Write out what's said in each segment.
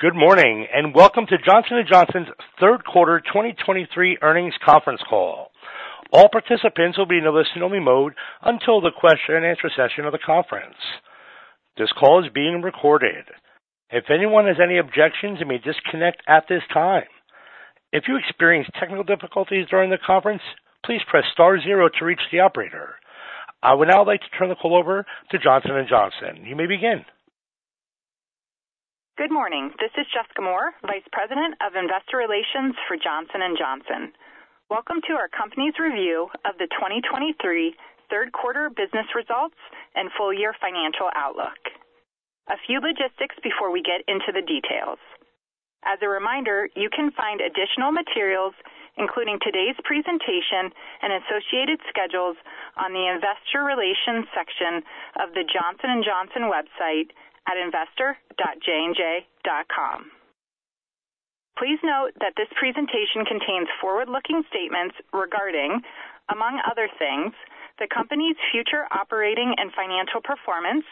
Good morning, and welcome to Johnson & Johnson's Third Quarter 2023 Earnings Conference Call. All participants will be in a listen-only mode until the question-and-answer session of the conference. This call is being recorded. If anyone has any objections, you may disconnect at this time. If you experience technical difficulties during the conference, please press star zero to reach the operator. I would now like to turn the call over to Johnson & Johnson. You may begin. Good morning. This is Jessica Moore, Vice President of Investor Relations for Johnson & Johnson. Welcome to our company's review of the 2023 third quarter business results and full year financial outlook. A few logistics before we get into the details. As a reminder, you can find additional materials, including today's presentation and associated schedules, on the investor relations section of the Johnson & Johnson website at investor.jnj.com. Please note that this presentation contains forward-looking statements regarding, among other things, the company's future operating and financial performance,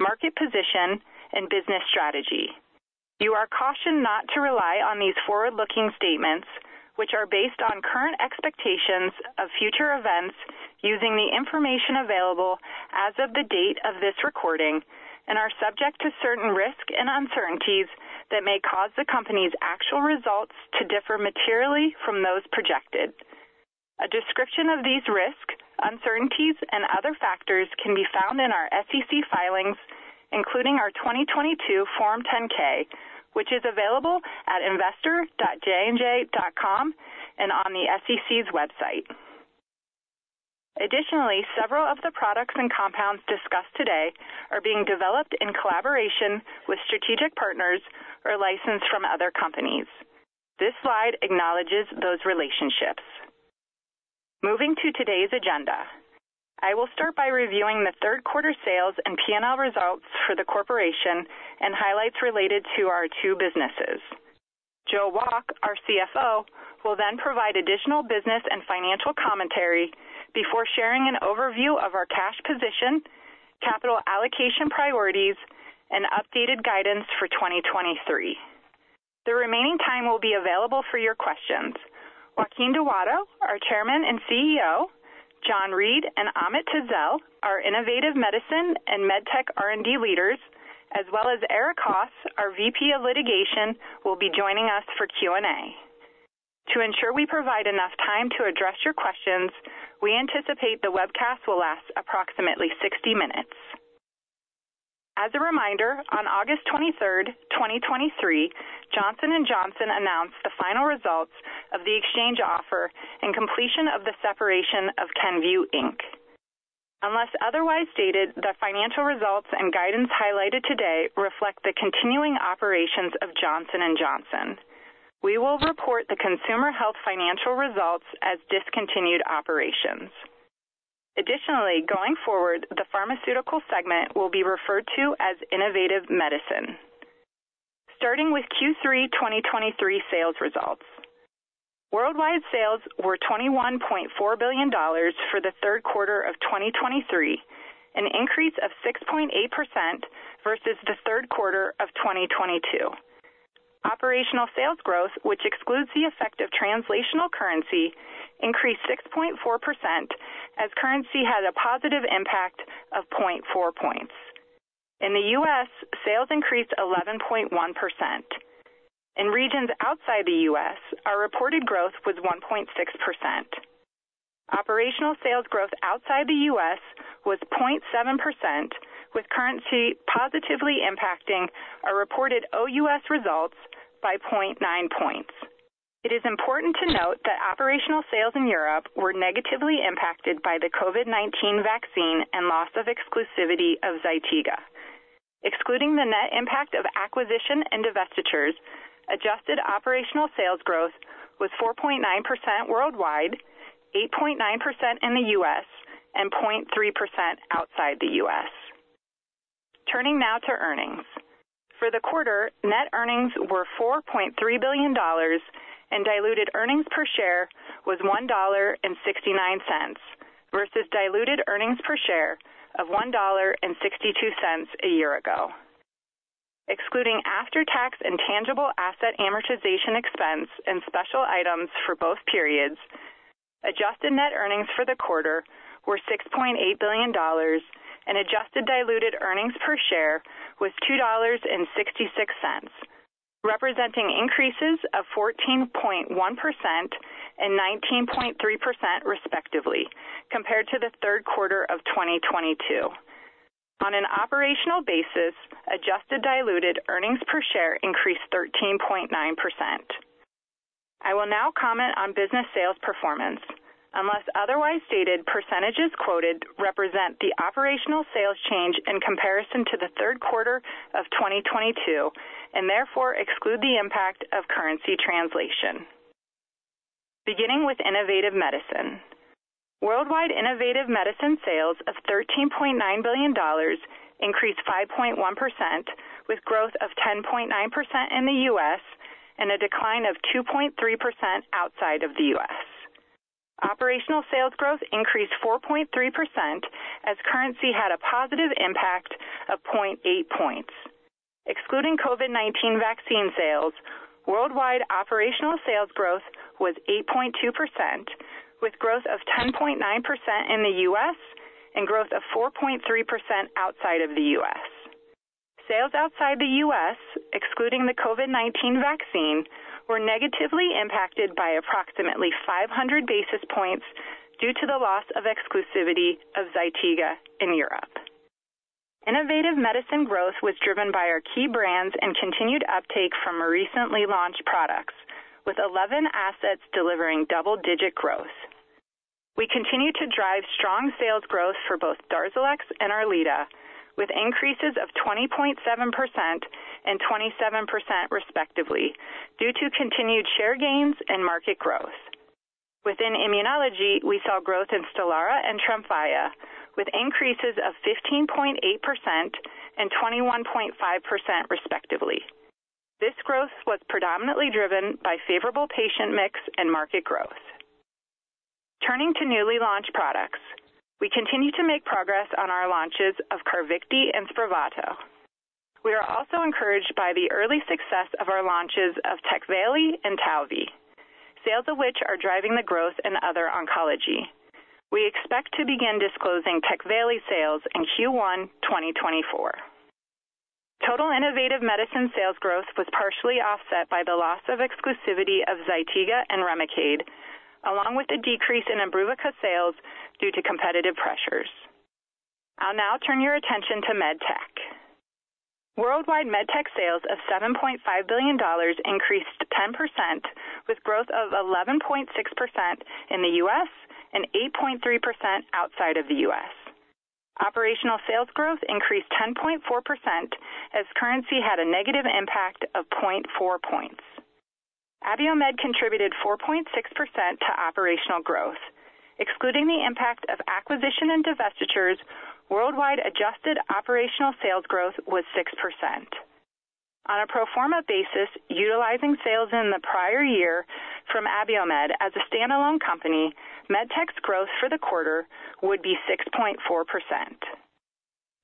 market position, and business strategy. You are cautioned not to rely on these forward-looking statements, which are based on current expectations of future events using the information available as of the date of this recording and are subject to certain risks and uncertainties that may cause the company's actual results to differ materially from those projected. A description of these risks, uncertainties and other factors can be found in our SEC filings, including our 2022 Form 10-K, which is available at investor.jnj.com and on the SEC's website. Additionally, several of the products and compounds discussed today are being developed in collaboration with strategic partners or licensed from other companies. This slide acknowledges those relationships. Moving to today's agenda, I will start by reviewing the third quarter sales and P&L results for the corporation and highlights related to our two businesses. Joe Wolk, our CFO, will then provide additional business and financial commentary before sharing an overview of our cash position, capital allocation priorities, and updated guidance for 2023. The remaining time will be available for your questions. Joaquin Duato, our Chairman and CEO, John Reed and Ahmet Tezel, our Innovative Medicine and MedTech R&D leaders, as well as Erik Haas, our VP of Litigation, will be joining us for Q&A. To ensure we provide enough time to address your questions, we anticipate the webcast will last approximately 60 minutes. As a reminder, on August 23rd, 2023, Johnson & Johnson announced the final results of the exchange offer and completion of the separation of Kenvue Inc. Unless otherwise stated, the financial results and guidance highlighted today reflect the continuing operations of Johnson & Johnson. We will report the consumer health financial results as discontinued operations. Additionally, going forward, the pharmaceutical segment will be referred to as Innovative Medicine. Starting with Q3 2023 sales results. Worldwide sales were $21.4 billion for the third quarter of 2023, an increase of 6.8% versus the third quarter of 2022. Operational sales growth, which excludes the effect of transactional currency, increased 6.4% as currency had a positive impact of 0.4 points. In the U.S., sales increased 11.1%. In regions outside the U.S., our reported growth was 1.6%. Operational sales growth outside the U.S. was 0.7%, with currency positively impacting our reported OUS results by 0.9 points. It is important to note that operational sales in Europe were negatively impacted by the COVID-19 vaccine and loss of exclusivity of ZYTIGA. Excluding the net impact of acquisition and divestitures, adjusted operational sales growth was 4.9% worldwide, 8.9% in the U.S. and 0.3% outside the U.S. Turning now to earnings, for the quarter, net earnings were $4.3 billion and diluted earnings per share was $1.69, versus diluted earnings per share of $1.62 a year ago. Excluding after-tax and tangible asset amortization expense and special items for both periods, adjusted net earnings for the quarter were $6.8 billion, and adjusted diluted earnings per share was $2.66, representing increases of 14.1% and 19.3%, respectively, compared to the third quarter of 2022. On an operational basis, adjusted diluted earnings per share increased 13.9%. I will now comment on business sales performance. Unless otherwise stated, percentages quoted represent the operational sales change in comparison to the third quarter of 2022, and therefore exclude the impact of currency translation. Beginning with Innovative Medicine. Worldwide Innovative Medicine sales of $13.9 billion increased 5.1%, with growth of 10.9% in the U.S. and a decline of 2.3% outside of the U.S. Operational sales growth increased 4.3% as currency had a positive impact of 0.8 points. Excluding COVID-19 vaccine sales, worldwide operational sales growth was 8.2%, with growth of 10.9% in the U.S. and growth of 4.3% outside of the U.S. Sales outside the U.S., excluding the COVID-19 vaccine, were negatively impacted by approximately 500 basis points due to the loss of exclusivity of ZYTIGA in Europe. Innovative medicine growth was driven by our key brands and continued uptake from our recently launched products, with 11 assets delivering double-digit growth. We continue to drive strong sales growth for both DARZALEX and ERLEADA, with increases of 20.7% and 27%, respectively, due to continued share gains and market growth. Within immunology, we saw growth in STELARA and TREMFYA, with increases of 15.8% and 21.5%, respectively. This growth was predominantly driven by favorable patient mix and market growth. Turning to newly launched products, we continue to make progress on our launches of CARVYKTI and SPRAVATO. We are also encouraged by the early success of our launches of TECVAYLI and TALVEY, sales of which are driving the growth in other oncology. We expect to begin disclosing TECVAYLI sales in Q1, 2024. Total Innovative Medicine sales growth was partially offset by the loss of exclusivity of ZYTIGA and REMICADE, along with the decrease in IMBRUVICA sales due to competitive pressures. I'll now turn your attention to MedTech. Worldwide MedTech sales of $7.5 billion increased 10%, with growth of 11.6% in the US and 8.3% outside of the US. Operational sales growth increased 10.4%, as currency had a negative impact of 0.4 points. Abiomed contributed 4.6% to operational growth, excluding the impact of acquisition and divestitures, worldwide adjusted operational sales growth was 6%. On a pro forma basis, utilizing sales in the prior year from Abiomed as a standalone company, MedTech's growth for the quarter would be 6.4%.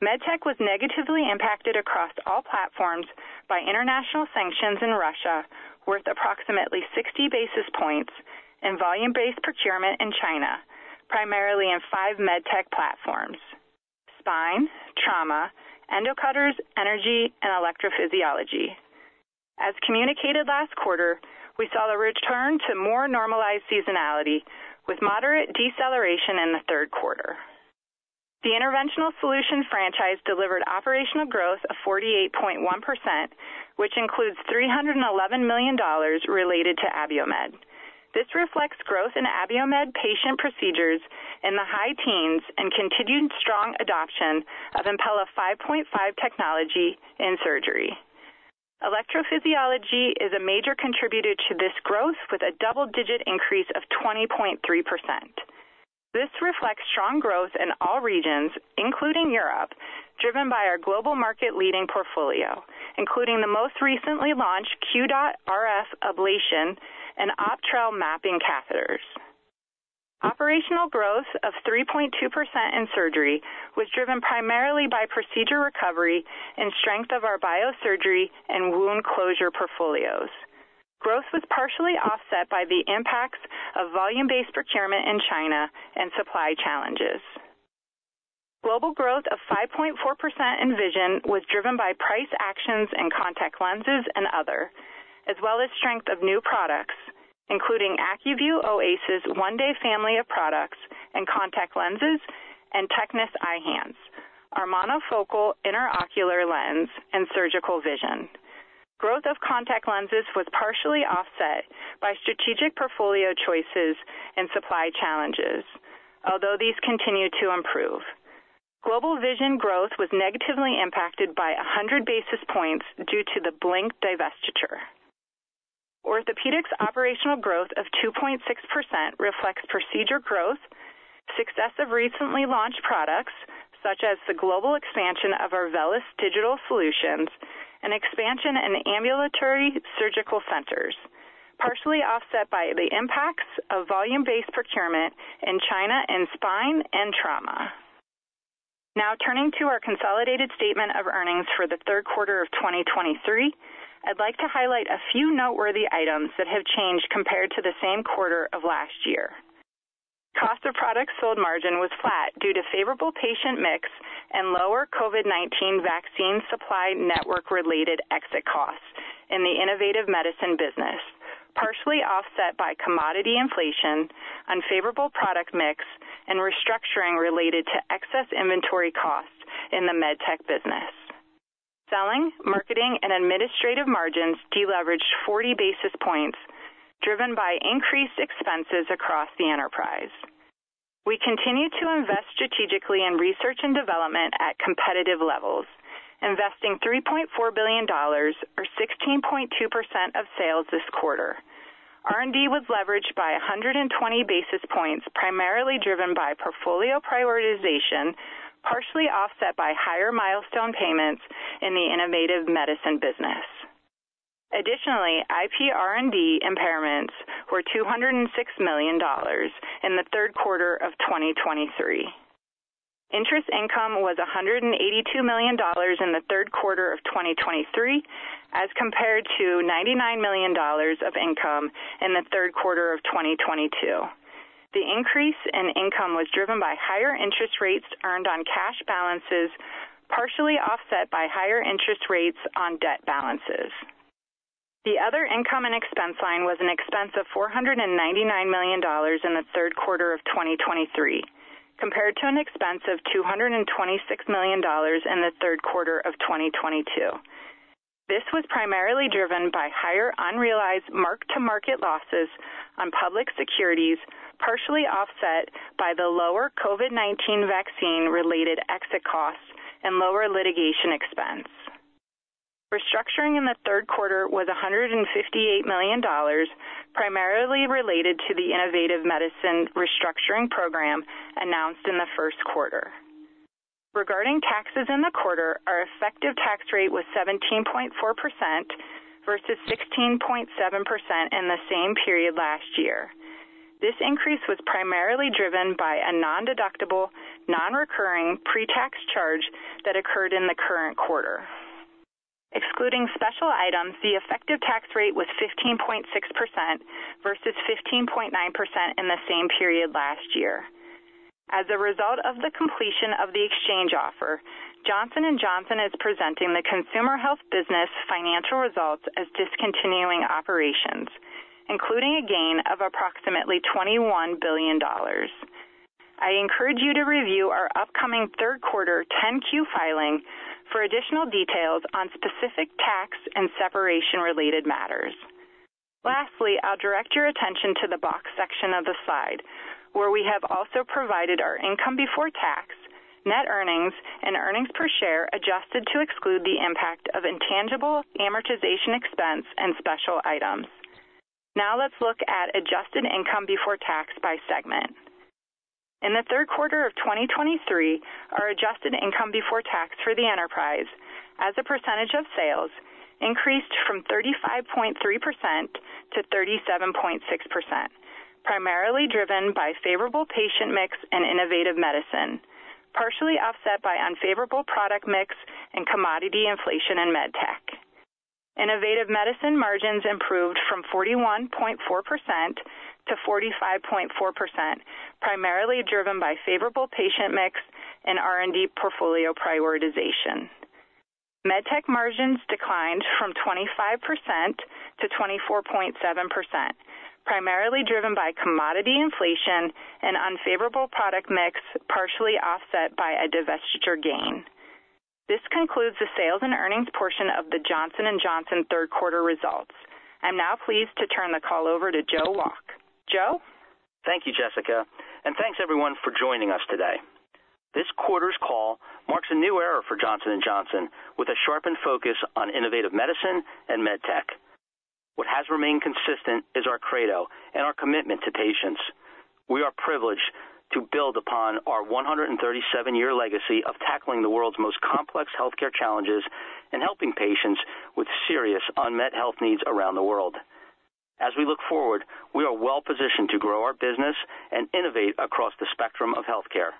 MedTech was negatively impacted across all platforms by international sanctions in Russia, worth approximately 60 basis points in volume-based procurement in China, primarily in five MedTech platforms: spine, trauma, endocutters, energy, and electrophysiology. As communicated last quarter, we saw a return to more normalized seasonality, with moderate deceleration in the third quarter. The Interventional Solutions franchise delivered operational growth of 48.1%, which includes $311 million related to Abiomed. This reflects growth in Abiomed patient procedures in the high teens and continued strong adoption of Impella 5.5 technology in surgery. Electrophysiology is a major contributor to this growth, with a double-digit increase of 20.3%. This reflects strong growth in all regions, including Europe, driven by our global market-leading portfolio, including the most recently launched QDOT RF ablation and OPTRELL mapping catheters. Operational growth of 3.2% in surgery was driven primarily by procedure recovery and strength of our biosurgery and wound closure portfolios. Growth was partially offset by the impacts of volume-based procurement in China and supply challenges. Global growth of 5.4% in Vision was driven by price actions in contact lenses and other, as well as strength of new products, including ACUVUE OASYS 1-Day family of products and contact lenses, and TECNIS Eyhance, our monofocal intraocular lens and Surgical Vision. Growth of contact lenses was partially offset by strategic portfolio choices and supply challenges, although these continue to improve. Global Vision growth was negatively impacted by 100 basis points due to the Blink divestiture. Orthopaedics operational growth of 2.6% reflects procedure growth, success of recently launched products, such as the global expansion of our VELYS Digital Solutions and expansion in ambulatory surgical centers, partially offset by the impacts of volume-based procurement in China and spine and trauma. Now, turning to our consolidated statement of earnings for the third quarter of 2023, I'd like to highlight a few noteworthy items that have changed compared to the same quarter of last year. Cost of product sold margin was flat due to favorable patient mix and lower COVID-19 vaccine supply network-related exit costs in the Innovative Medicine business, partially offset by commodity inflation, unfavorable product mix, and restructuring related to excess inventory costs in the MedTech business. Selling, marketing, and administrative margins deleveraged 40 basis points, driven by increased expenses across the enterprise. We continue to invest strategically in research and development at competitive levels, investing $3.4 billion or 16.2% of sales this quarter. R&D was leveraged by 100 basis points, primarily driven by portfolio prioritization, partially offset by higher milestone payments in the Innovative Medicine business. Additionally, IP R&D impairments were $206 million in the third quarter of 2023. Interest income was $182 million in the third quarter of 2023, as compared to $99 million of income in the third quarter of 2022. The increase in income was driven by higher interest rates earned on cash balances, partially offset by higher interest rates on debt balances. The other income and expense line was an expense of $499 million in the third quarter of 2023, compared to an expense of $226 million in the third quarter of 2022. This was primarily driven by higher unrealized mark-to-market losses on public securities, partially offset by the lower COVID-19 vaccine-related exit costs and lower litigation expense. Restructuring in the third quarter was $158 million, primarily related to the Innovative Medicine Restructuring program announced in the first quarter. Regarding taxes in the quarter, our effective tax rate was 17.4% versus 16.7% in the same period last year. This increase was primarily driven by a nondeductible, nonrecurring pretax charge that occurred in the current quarter. Excluding special items, the effective tax rate was 15.6% versus 15.9% in the same period last year. As a result of the completion of the exchange offer, Johnson & Johnson is presenting the Consumer Health business financial results as discontinuing operations, including a gain of approximately $21 billion. I encourage you to review our upcoming third quarter 10-Q filing for additional details on specific tax and separation-related matters. Lastly, I'll direct your attention to the box section of the slide, where we have also provided our income before tax, net earnings, and earnings per share, adjusted to exclude the impact of intangible amortization expense and special items. Now let's look at adjusted income before tax by segment. In the third quarter of 2023, our adjusted income before tax for the enterprise as a percentage of sales increased from 35.3% to 37.6%, primarily driven by favorable patient mix and Innovative Medicine, partially offset by unfavorable product mix and commodity inflation in MedTech. Innovative Medicine margins improved from 41.4% to 45.4%, primarily driven by favorable patient mix and R&D portfolio prioritization. MedTech margins declined from 25% to 24.7%, primarily driven by commodity inflation and unfavorable product mix, partially offset by a divestiture gain. This concludes the sales and earnings portion of the Johnson & Johnson third quarter results. I'm now pleased to turn the call over to Joe Wolk. Joe? Thank you, Jessica, and thanks, everyone, for joining us today. This quarter's call marks a new era for Johnson & Johnson, with a sharpened focus on Innovative Medicine and MedTech. What has remained consistent is our credo and our commitment to patients. We are privileged to build upon our 137-year legacy of tackling the world's most complex healthcare challenges and helping patients with serious unmet health needs around the world. As we look forward, we are well positioned to grow our business and innovate across the spectrum of healthcare.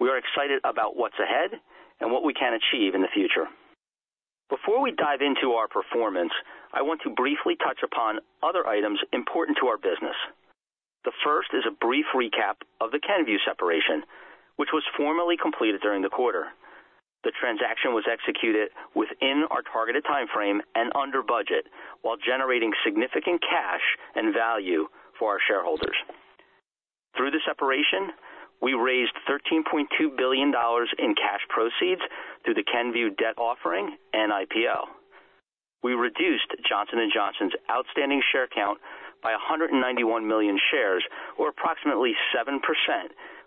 We are excited about what's ahead and what we can achieve in the future. Before we dive into our performance, I want to briefly touch upon other items important to our business. The first is a brief recap of the Kenvue separation, which was formally completed during the quarter. The transaction was executed within our targeted time frame and under budget, while generating significant cash and value for our shareholders. Through the separation, we raised $13.2 billion in cash proceeds through the Kenvue debt offering and IPO. We reduced Johnson & Johnson's outstanding share count by 191 million shares, or approximately 7%,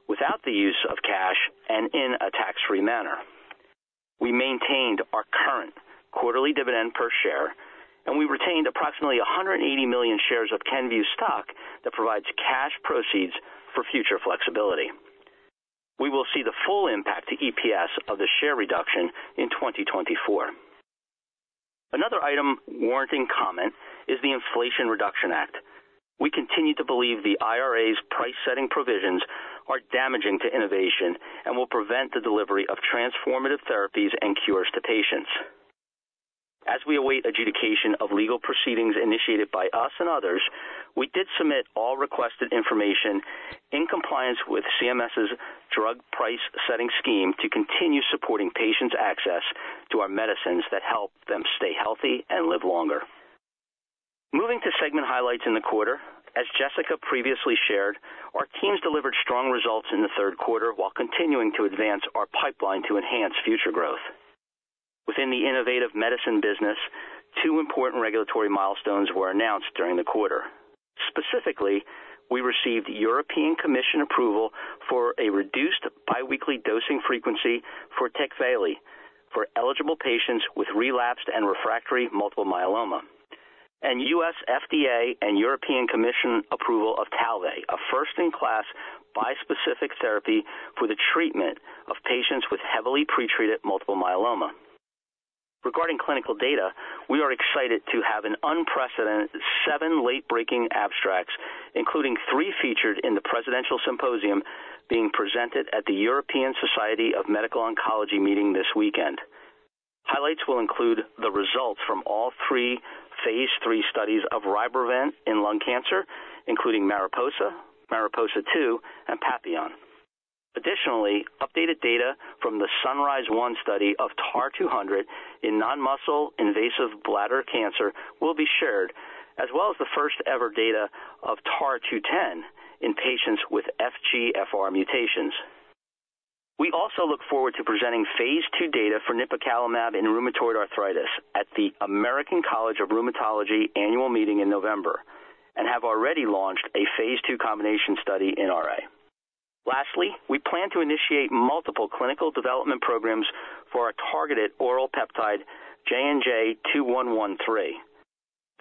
without the use of cash and in a tax-free manner. We maintained our current quarterly dividend per share, and we retained approximately 180 million shares of Kenvue stock that provides cash proceeds for future flexibility. We will see the full impact to EPS of the share reduction in 2024. Another item warranting comment is the Inflation Reduction Act. We continue to believe the IRA's price-setting provisions are damaging to innovation and will prevent the delivery of transformative therapies and cures to patients. As we await adjudication of legal proceedings initiated by us and others, we did submit all requested information in compliance with CMS's drug price-setting scheme to continue supporting patients' access to our medicines that help them stay healthy and live longer. Moving to segment highlights in the quarter. As Jessica previously shared, our teams delivered strong results in the third quarter, while continuing to advance our pipeline to enhance future growth. Within the Innovative Medicine business, two important regulatory milestones were announced during the quarter. Specifically, we received European Commission approval for a reduced biweekly dosing frequency for TECVAYLI for eligible patients with relapsed and refractory multiple myeloma … and U.S. FDA and European Commission approval of TALVEY, a first-in-class bispecific therapy for the treatment of patients with heavily pretreated multiple myeloma. Regarding clinical data, we are excited to have an unprecedented seven late-breaking abstracts, including three featured in the Presidential Symposium being presented at the European Society for Medical Oncology meeting this weekend. Highlights will include the results from all three phase III studies of RYBREVANT in lung cancer, including MARIPOSA, MARIPOSA-2, and PAPILLON. Additionally, updated data from the SUNRISE-1 study of TAR-200 in non-muscle invasive bladder cancer will be shared, as well as the first-ever data of TAR-210 in patients with FGFR mutations. We also look forward to presenting phase II data for nipocalimab in rheumatoid arthritis at the American College of Rheumatology annual meeting in November and have already launched a phase II combination study in RA. Lastly, we plan to initiate multiple clinical development programs for our targeted oral peptide, JNJ-2113.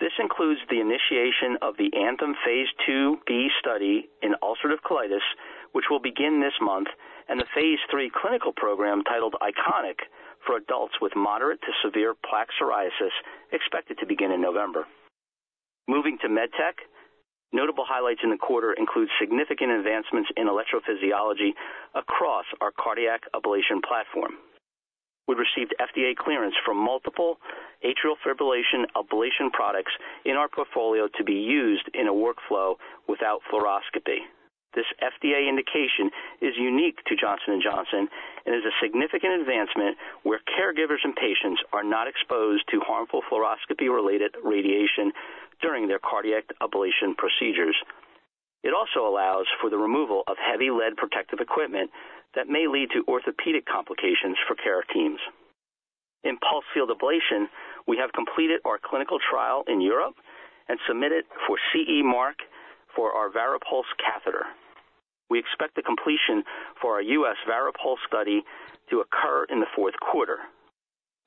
This includes the initiation of the ANTHEM phase II-B study in ulcerative colitis, which will begin this month, and the phase III clinical program titled ICONIC for adults with moderate to severe plaque psoriasis, expected to begin in November. Moving to MedTech, notable highlights in the quarter include significant advancements in electrophysiology across our cardiac ablation platform. We received FDA clearance from multiple atrial fibrillation ablation products in our portfolio to be used in a workflow without fluoroscopy. This FDA indication is unique to Johnson & Johnson and is a significant advancement where caregivers and patients are not exposed to harmful fluoroscopy-related radiation during their cardiac ablation procedures. It also allows for the removal of heavy lead protective equipment that may lead to orthopedic complications for care teams. In pulsed field ablation, we have completed our clinical trial in Europe and submitted for CE mark for our VARIPULSE catheter. We expect the completion for our U.S. VARIPULSE study to occur in the fourth quarter.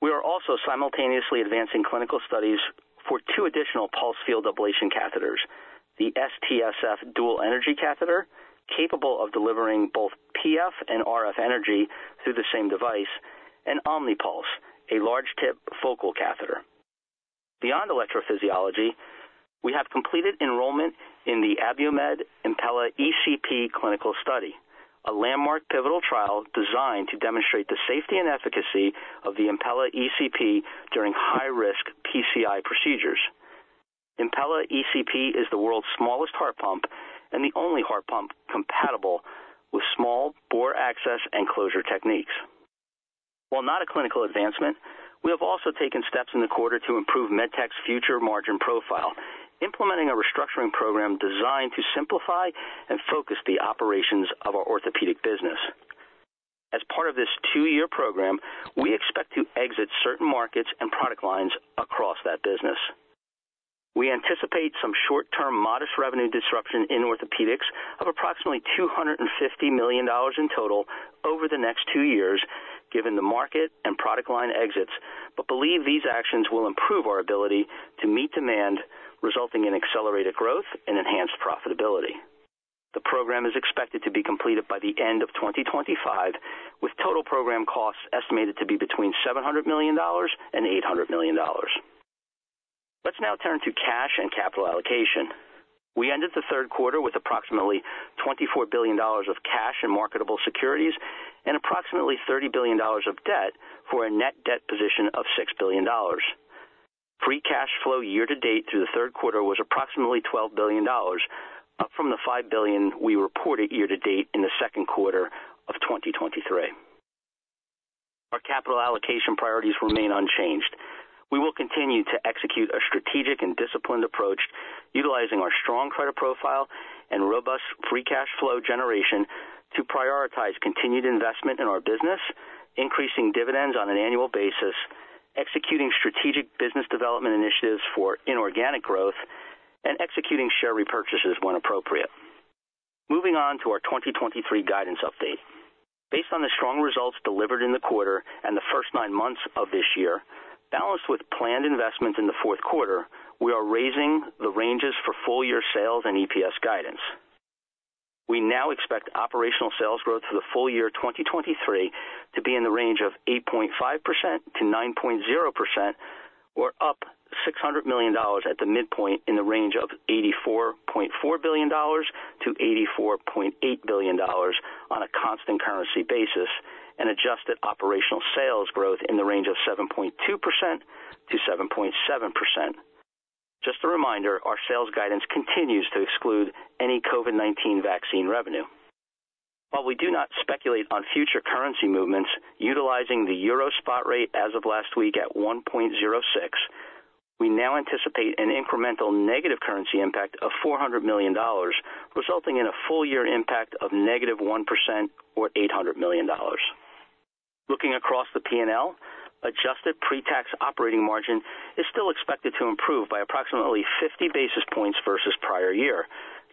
We are also simultaneously advancing clinical studies for two additional pulsed field ablation catheters, the STSF dual energy catheter, capable of delivering both PF and RF energy through the same device, and OMNYPULSE, a large tip focal catheter. Beyond electrophysiology, we have completed enrollment in the Abiomed Impella ECP clinical study, a landmark pivotal trial designed to demonstrate the safety and efficacy of the Impella ECP during high-risk PCI procedures. Impella ECP is the world's smallest heart pump and the only heart pump compatible with small bore access and closure techniques. While not a clinical advancement, we have also taken steps in the quarter to improve MedTech's future margin profile, implementing a restructuring program designed to simplify and focus the operations of our orthopedic business. As part of this two-year program, we expect to exit certain markets and product lines across that business. We anticipate some short-term modest revenue disruption in Orthopaedics of approximately $250 million in total over the next two years, given the market and product line exits, but believe these actions will improve our ability to meet demand, resulting in accelerated growth and enhanced profitability. The program is expected to be completed by the end of 2025, with total program costs estimated to be between $700 million and $800 million. Let's now turn to cash and capital allocation. We ended the third quarter with approximately $24 billion of cash and marketable securities and approximately $30 billion of debt, for a net debt position of $6 billion. Free cash flow year-to-date through the third quarter was approximately $12 billion, up from the $5 billion we reported year-to-date in the second quarter of 2023. Our capital allocation priorities remain unchanged. We will continue to execute a strategic and disciplined approach, utilizing our strong credit profile and robust free cash flow generation to prioritize continued investment in our business, increasing dividends on an annual basis, executing strategic business development initiatives for inorganic growth, and executing share repurchases when appropriate. Moving on to our 2023 guidance update. Based on the strong results delivered in the quarter and the first nine months of this year, balanced with planned investments in the fourth quarter, we are raising the ranges for full-year sales and EPS guidance. We now expect operational sales growth for the full year 2023 to be in the range of 8.5%-9.0%, or up $600 million at the midpoint in the range of $84.4 billion-$84.8 billion on a constant currency basis, and adjusted operational sales growth in the range of 7.2%-7.7%. Just a reminder, our sales guidance continues to exclude any COVID-19 vaccine revenue. While we do not speculate on future currency movements, utilizing the euro spot rate as of last week at 1.06, we now anticipate an incremental negative currency impact of $400 million, resulting in a full year impact of -1% or $800 million. Looking across the P&L, adjusted pre-tax operating margin is still expected to improve by approximately 50 basis points versus prior year,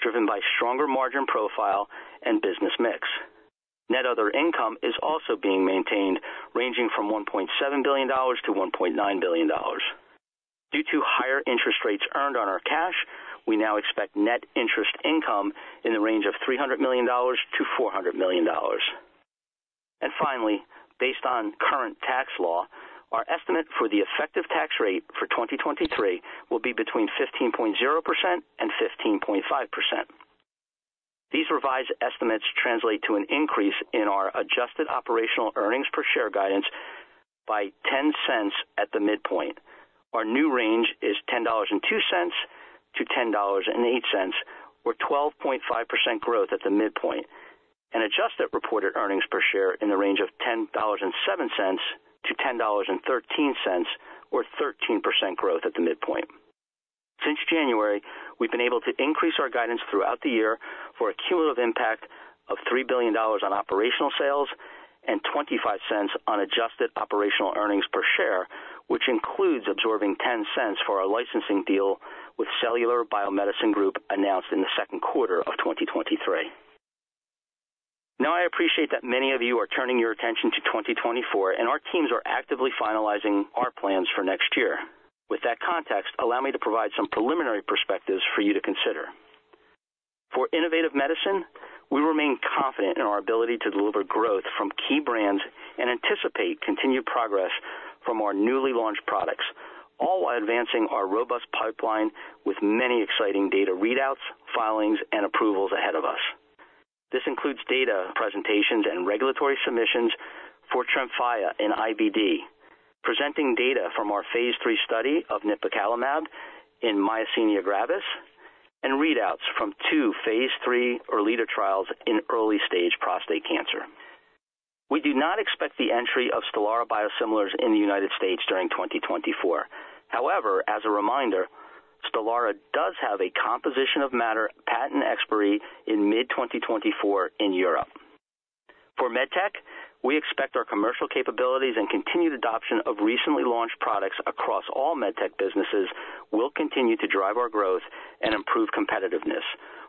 driven by stronger margin profile and business mix... Net other income is also being maintained, ranging from $1.7 billion-$1.9 billion. Due to higher interest rates earned on our cash, we now expect net interest income in the range of $300 million-$400 million. And finally, based on current tax law, our estimate for the effective tax rate for 2023 will be between 15.0% and 15.5%. These revised estimates translate to an increase in our adjusted operational earnings per share guidance by $0.10 at the midpoint. Our new range `is $10.02-$10.08, or 12.5% growth at the midpoint, and adjusted reported earnings per share in the range of $10.07-$10.13, or 13% growth at the midpoint. Since January, we've been able to increase our guidance throughout the year for a cumulative impact of $3 billion on operational sales and $0.25 on adjusted operational earnings per share, which includes absorbing $0.10 for our licensing deal with Cellular Biomedicine Group, announced in the second quarter of 2023. Now, I appreciate that many of you are turning your attention to 2024, and our teams are actively finalizing our plans for next year. With that context, allow me to provide some preliminary perspectives for you to consider. For Innovative Medicine, we remain confident in our ability to deliver growth from key brands and anticipate continued progress from our newly launched products, all while advancing our robust pipeline with many exciting data readouts, filings, and approvals ahead of us. This includes data presentations and regulatory submissions for TREMFYA in IBD, presenting data from our phase III study of nipocalimab in myasthenia gravis, and readouts from two phase III ERLEADA trials in early-stage prostate cancer. We do not expect the entry of STELARA biosimilars in the United States during 2024. However, as a reminder, STELARA does have a composition of matter patent expiry in mid-2024 in Europe. For MedTech, we expect our commercial capabilities and continued adoption of recently launched products across all MedTech businesses will continue to drive our growth and improve competitiveness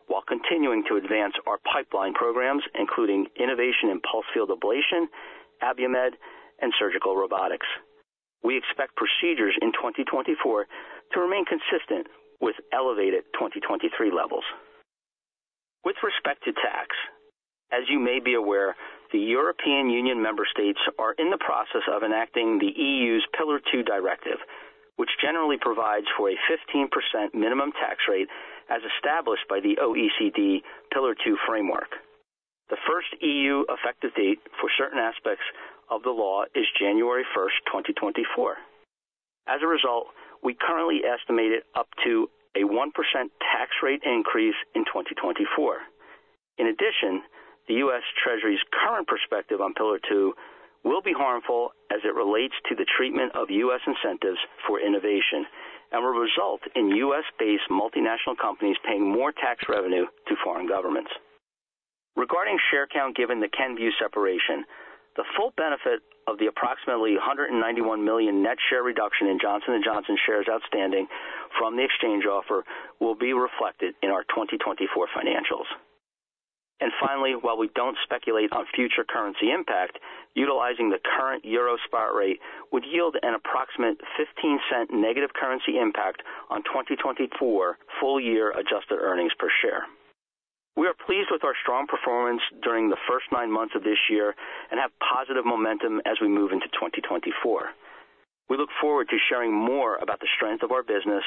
while continuing to advance our pipeline programs, including innovation in pulsed field ablation, Abiomed, and surgical robotics. We expect procedures in 2024 to remain consistent with elevated 2023 levels. With respect to tax, as you may be aware, the European Union member states are in the process of enacting the EU's Pillar Two Directive, which generally provides for a 15% minimum tax rate as established by the OECD Pillar Two Framework. The first EU effective date for certain aspects of the law is January 1st, 2024. As a result, we currently estimate it up to a 1% tax rate increase in 2024. In addition, the U.S. Treasury's current perspective on Pillar Two will be harmful as it relates to the treatment of U.S. incentives for innovation and will result in U.S.-based multinational companies paying more tax revenue to foreign governments. Regarding share count, given the Kenvue separation, the full benefit of the approximately 191 million net share reduction in Johnson & Johnson shares outstanding from the exchange offer will be reflected in our 2024 financials. And finally, while we don't speculate on future currency impact, utilizing the current euro spot rate would yield an approximate $0.15 negative currency impact on 2024 full year adjusted earnings per share. We are pleased with our strong performance during the first nine months of this year and have positive momentum as we move into 2024. We look forward to sharing more about the strength of our business,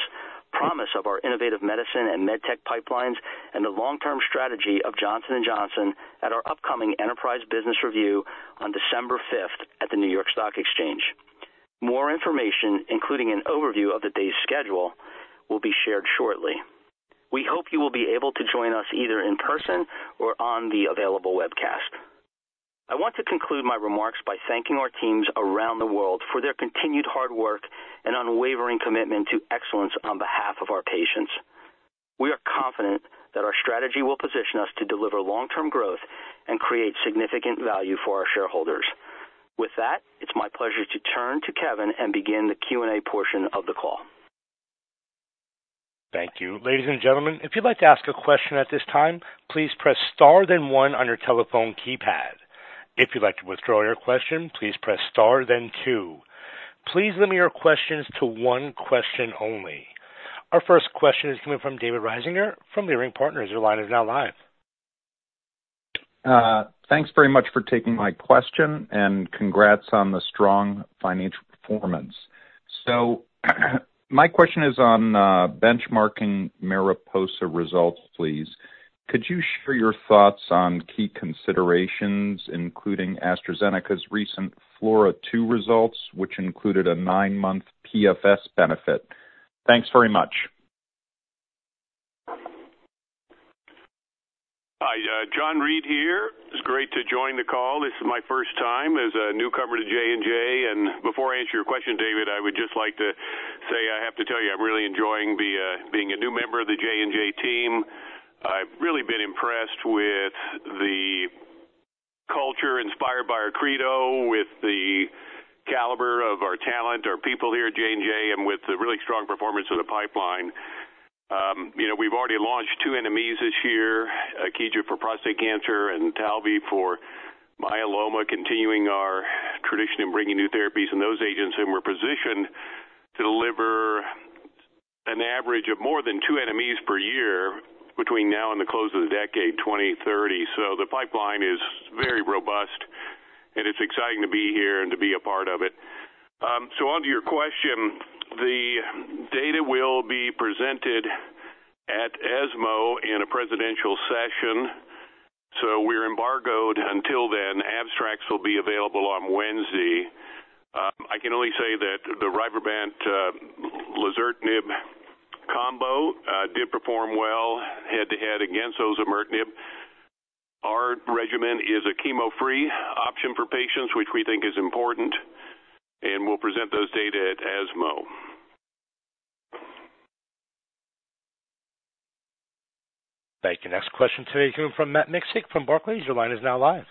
promise of our Innovative Medicine and MedTech pipelines, and the long-term strategy of Johnson & Johnson at our upcoming enterprise business review on December 5th at the New York Stock Exchange. More information, including an overview of the day's schedule, will be shared shortly. We hope you will be able to join us either in person or on the available webcast. I want to conclude my remarks by thanking our teams around the world for their continued hard work and unwavering commitment to excellence on behalf of our patients. We are confident that our strategy will position us to deliver long-term growth and create significant value for our shareholders. With that, it's my pleasure to turn to Kevin and begin the Q&A portion of the call. Thank you. Ladies and gentlemen, if you'd like to ask a question at this time, please press star then one on your telephone keypad. If you'd like to withdraw your question, please press star then two. Please limit your questions to one question only. Our first question is coming from David Risinger from Leerink Partners. Your line is now live. Thanks very much for taking my question, and congrats on the strong financial performance. My question is on benchmarking MARIPOSA results, please. Could you share your thoughts on key considerations, including AstraZeneca's recent FLAURA2 results, which included a 9-month PFS benefit? Thanks very much. Hi, John Reed here. It's great to join the call. This is my first time as a newcomer to J&J, and before I answer your question, David, I would just like to say, I have to tell you, I'm really enjoying being a new member of the J&J team. I've really been impressed with the culture inspired by our credo, with the-... talent, our people here at J&J, and with the really strong performance of the pipeline. You know, we've already launched two NMEs this year, AKEEGA for prostate cancer and TALVEY for myeloma, continuing our tradition in bringing new therapies and those agents, and we're positioned to deliver an average of more than two NMEs per year between now and the close of the decade, 2030. So the pipeline is very robust, and it's exciting to be here and to be a part of it. So onto your question, the data will be presented at ESMO in a presidential session, so we're embargoed until then. Abstracts will be available on Wednesday. I can only say that the RYBREVANT, lazertinib combo, did perform well head-to-head against osimertinib. Our regimen is a chemo-free option for patients, which we think is important, and we'll present those data at ESMO. Thank you. Next question today coming from Matt Miksic from Barclays. Your line is now live.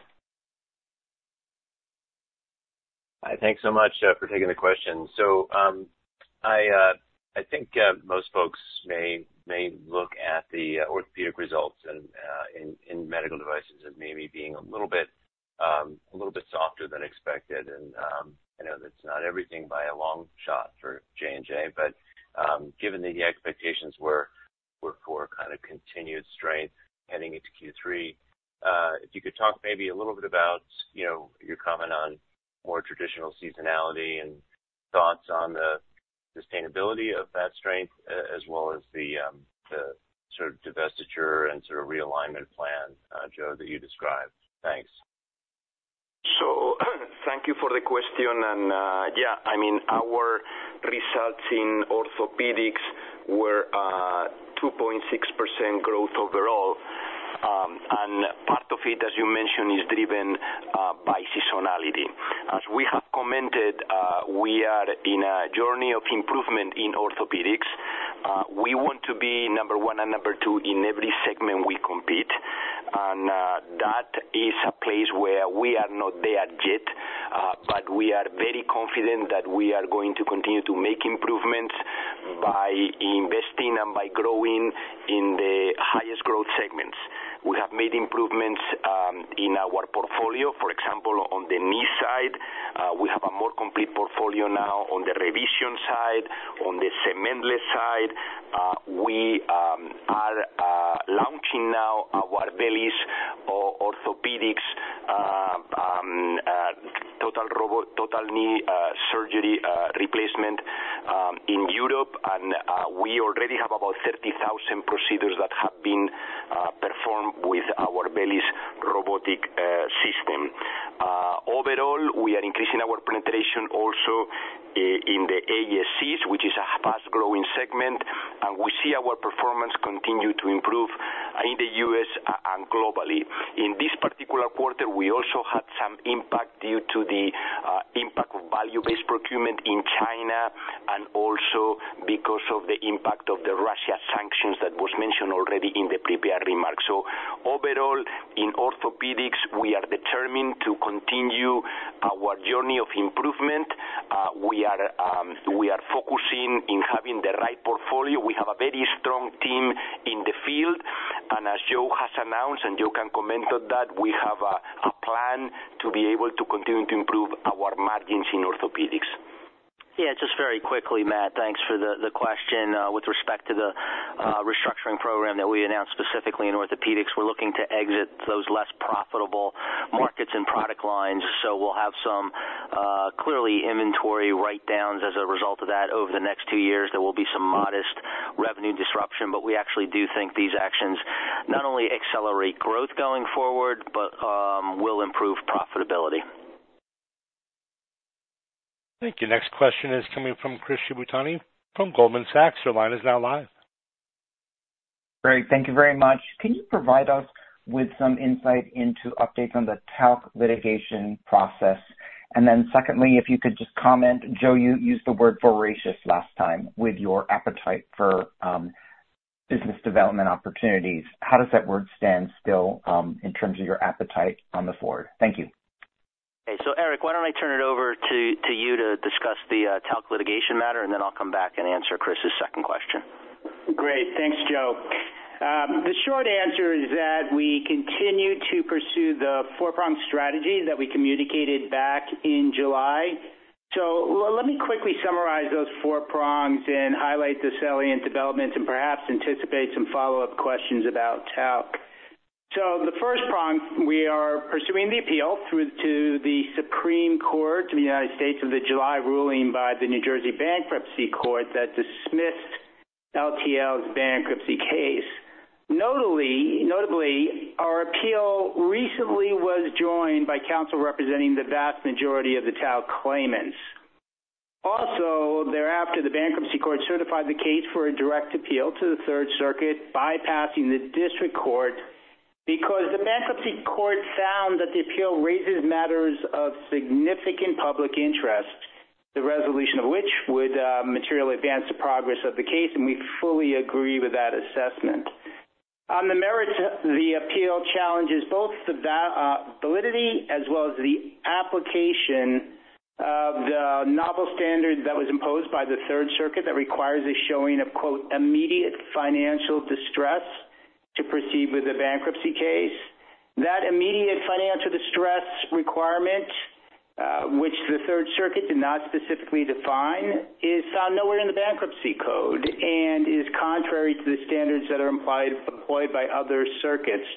Hi, thanks so much for taking the question. So, I think most folks may look at the orthopedic results and in medical devices as maybe being a little bit softer than expected. And I know that's not everything by a long shot for J&J, but given that the expectations were for kind of continued strength heading into Q3, if you could talk maybe a little bit about, you know, your comment on more traditional seasonality and thoughts on the sustainability of that strength, as well as the sort of divestiture and sort of realignment plan, Joe, that you described. Thanks. So thank you for the question. Yeah, I mean, our results in Orthopaedics were 2.6% growth overall. Part of it, as you mentioned, is driven by seasonality. As we have commented, we are in a journey of improvement in Orthopaedics. We want to be number one and number two in every segment we compete, and that is a place where we are not there yet. But we are very confident that we are going to continue to make improvements by investing and by growing in the highest growth segments. We have made improvements in our portfolio. For example, on the knee side, we have a more complete portfolio now on the revision side, on the cementless side. We are launching now our VELYS Orthopaedics total robot total knee surgery replacement in Europe. We already have about 30,000 procedures that have been performed with our VELYS robotic system. Overall, we are increasing our penetration also in the ASCs, which is a fast-growing segment, and we see our performance continue to improve in the U.S. and globally. In this particular quarter, we also had some impact due to the impact of volume-based procurement in China and also because of the impact of the Russia sanctions that was mentioned already in the prepared remarks. So overall, in Orthopaedics, we are determined to continue our journey of improvement. We are focusing in having the right portfolio. We have a very strong team in the field, and as Joe has announced, and Joe can comment on that, we have a plan to be able to continue to improve our margins in Orthopaedics. Yeah, just very quickly, Matt, thanks for the, the question. With respect to the restructuring program that we announced, specifically in Orthopaedics, we're looking to exit those less profitable markets and product lines. So we'll have some clearly inventory write-downs as a result of that over the next two years. There will be some modest revenue disruption, but we actually do think these actions not only accelerate growth going forward, but will improve profitability. Thank you. Next question is coming from Chris Shibutani from Goldman Sachs. Your line is now live. Great, thank you very much. Can you provide us with some insight into updates on the talc litigation process? And then secondly, if you could just comment, Joe, you used the word voracious last time with your appetite for, business development opportunities. How does that word stand still, in terms of your appetite on the forward? Thank you. Okay, so Erik, why don't I turn it over to you to discuss the talc litigation matter, and then I'll come back and answer Chris's second question. Great. Thanks, Joe. The short answer is that we continue to pursue the four-prong strategy that we communicated back in July. So let me quickly summarize those four prongs and highlight the salient developments and perhaps anticipate some follow-up questions about talc. So the first prong, we are pursuing the appeal through to the Supreme Court of the United States of the July ruling by the New Jersey Bankruptcy Court that dismissed LTL's bankruptcy case. Notably, our appeal recently was joined by counsel representing the vast majority of the talc claimants. Also, thereafter, the Bankruptcy Court certified the case for a direct appeal to the Third Circuit, bypassing the district court, because the bankruptcy court found that the appeal raises matters of significant public interest, the resolution of which materially advance the progress of the case, and we fully agree with that assessment. On the merits, the appeal challenges both the validity as well as the application of the novel standard that was imposed by the Third Circuit that requires a showing of, quote, "immediate financial distress" to proceed with the bankruptcy case. That immediate financial distress requirement, which the Third Circuit did not specifically define, is found nowhere in the bankruptcy code and is contrary to the standards that are implied, employed by other circuits.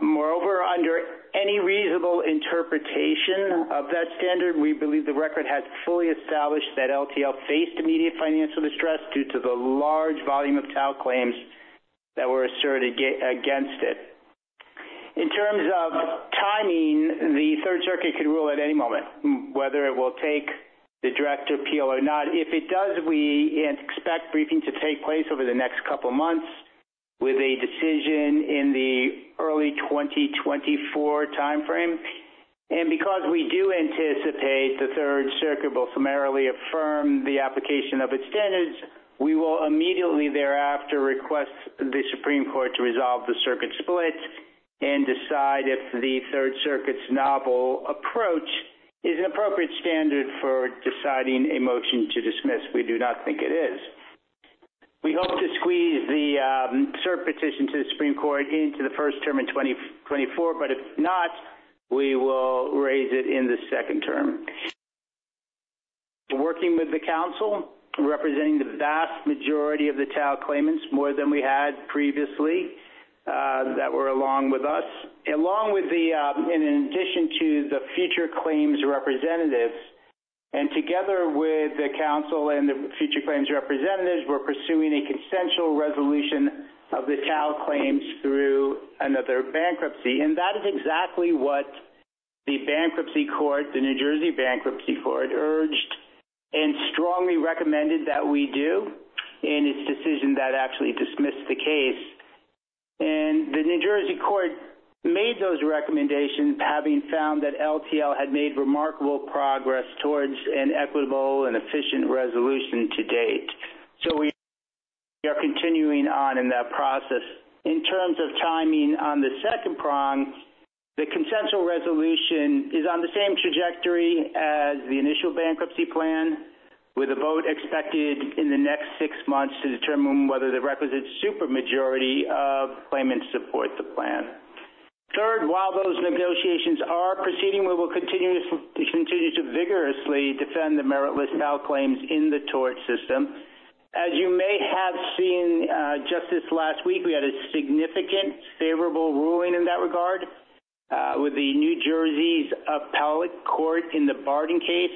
Moreover, under any reasonable interpretation of that standard, we believe the record has fully established that LTL faced immediate financial distress due to the large volume of talc claims that were asserted against it. In terms of timing, the Third Circuit could rule at any moment whether it will take the direct appeal or not. If it does, we expect briefing to take place over the next couple of months, with a decision in the early 2024 timeframe. Because we do anticipate the Third Circuit will summarily affirm the application of its standards, we will immediately thereafter request the Supreme Court to resolve the circuit split and decide if the Third Circuit's novel approach is an appropriate standard for deciding a motion to dismiss. We do not think it is. We hope to squeeze the cert petition to the Supreme Court into the first term in 2024, but if not, we will raise it in the second term. Working with the council, representing the vast majority of the talc claimants, more than we had previously, that were along with us, along with the, and in addition to the future claims representatives, and together with the council and the future claims representatives, we're pursuing a consensual resolution of the talc claims through another bankruptcy. That is exactly what the bankruptcy court, the New Jersey Bankruptcy Court, urged and strongly recommended that we do in its decision that actually dismissed the case. The New Jersey court made those recommendations having found that LTL had made remarkable progress towards an equitable and efficient resolution to date. We are continuing on in that process. In terms of timing on the second prong, the consensual resolution is on the same trajectory as the initial bankruptcy plan, with a vote expected in the next six months to determine whether the requisite supermajority of claimants support the plan. Third, while those negotiations are proceeding, we will continue to vigorously defend the meritless talc claims in the tort system. As you may have seen, just this last week, we had a significant favorable ruling in that regard, with the New Jersey's appellate court in the Barden case,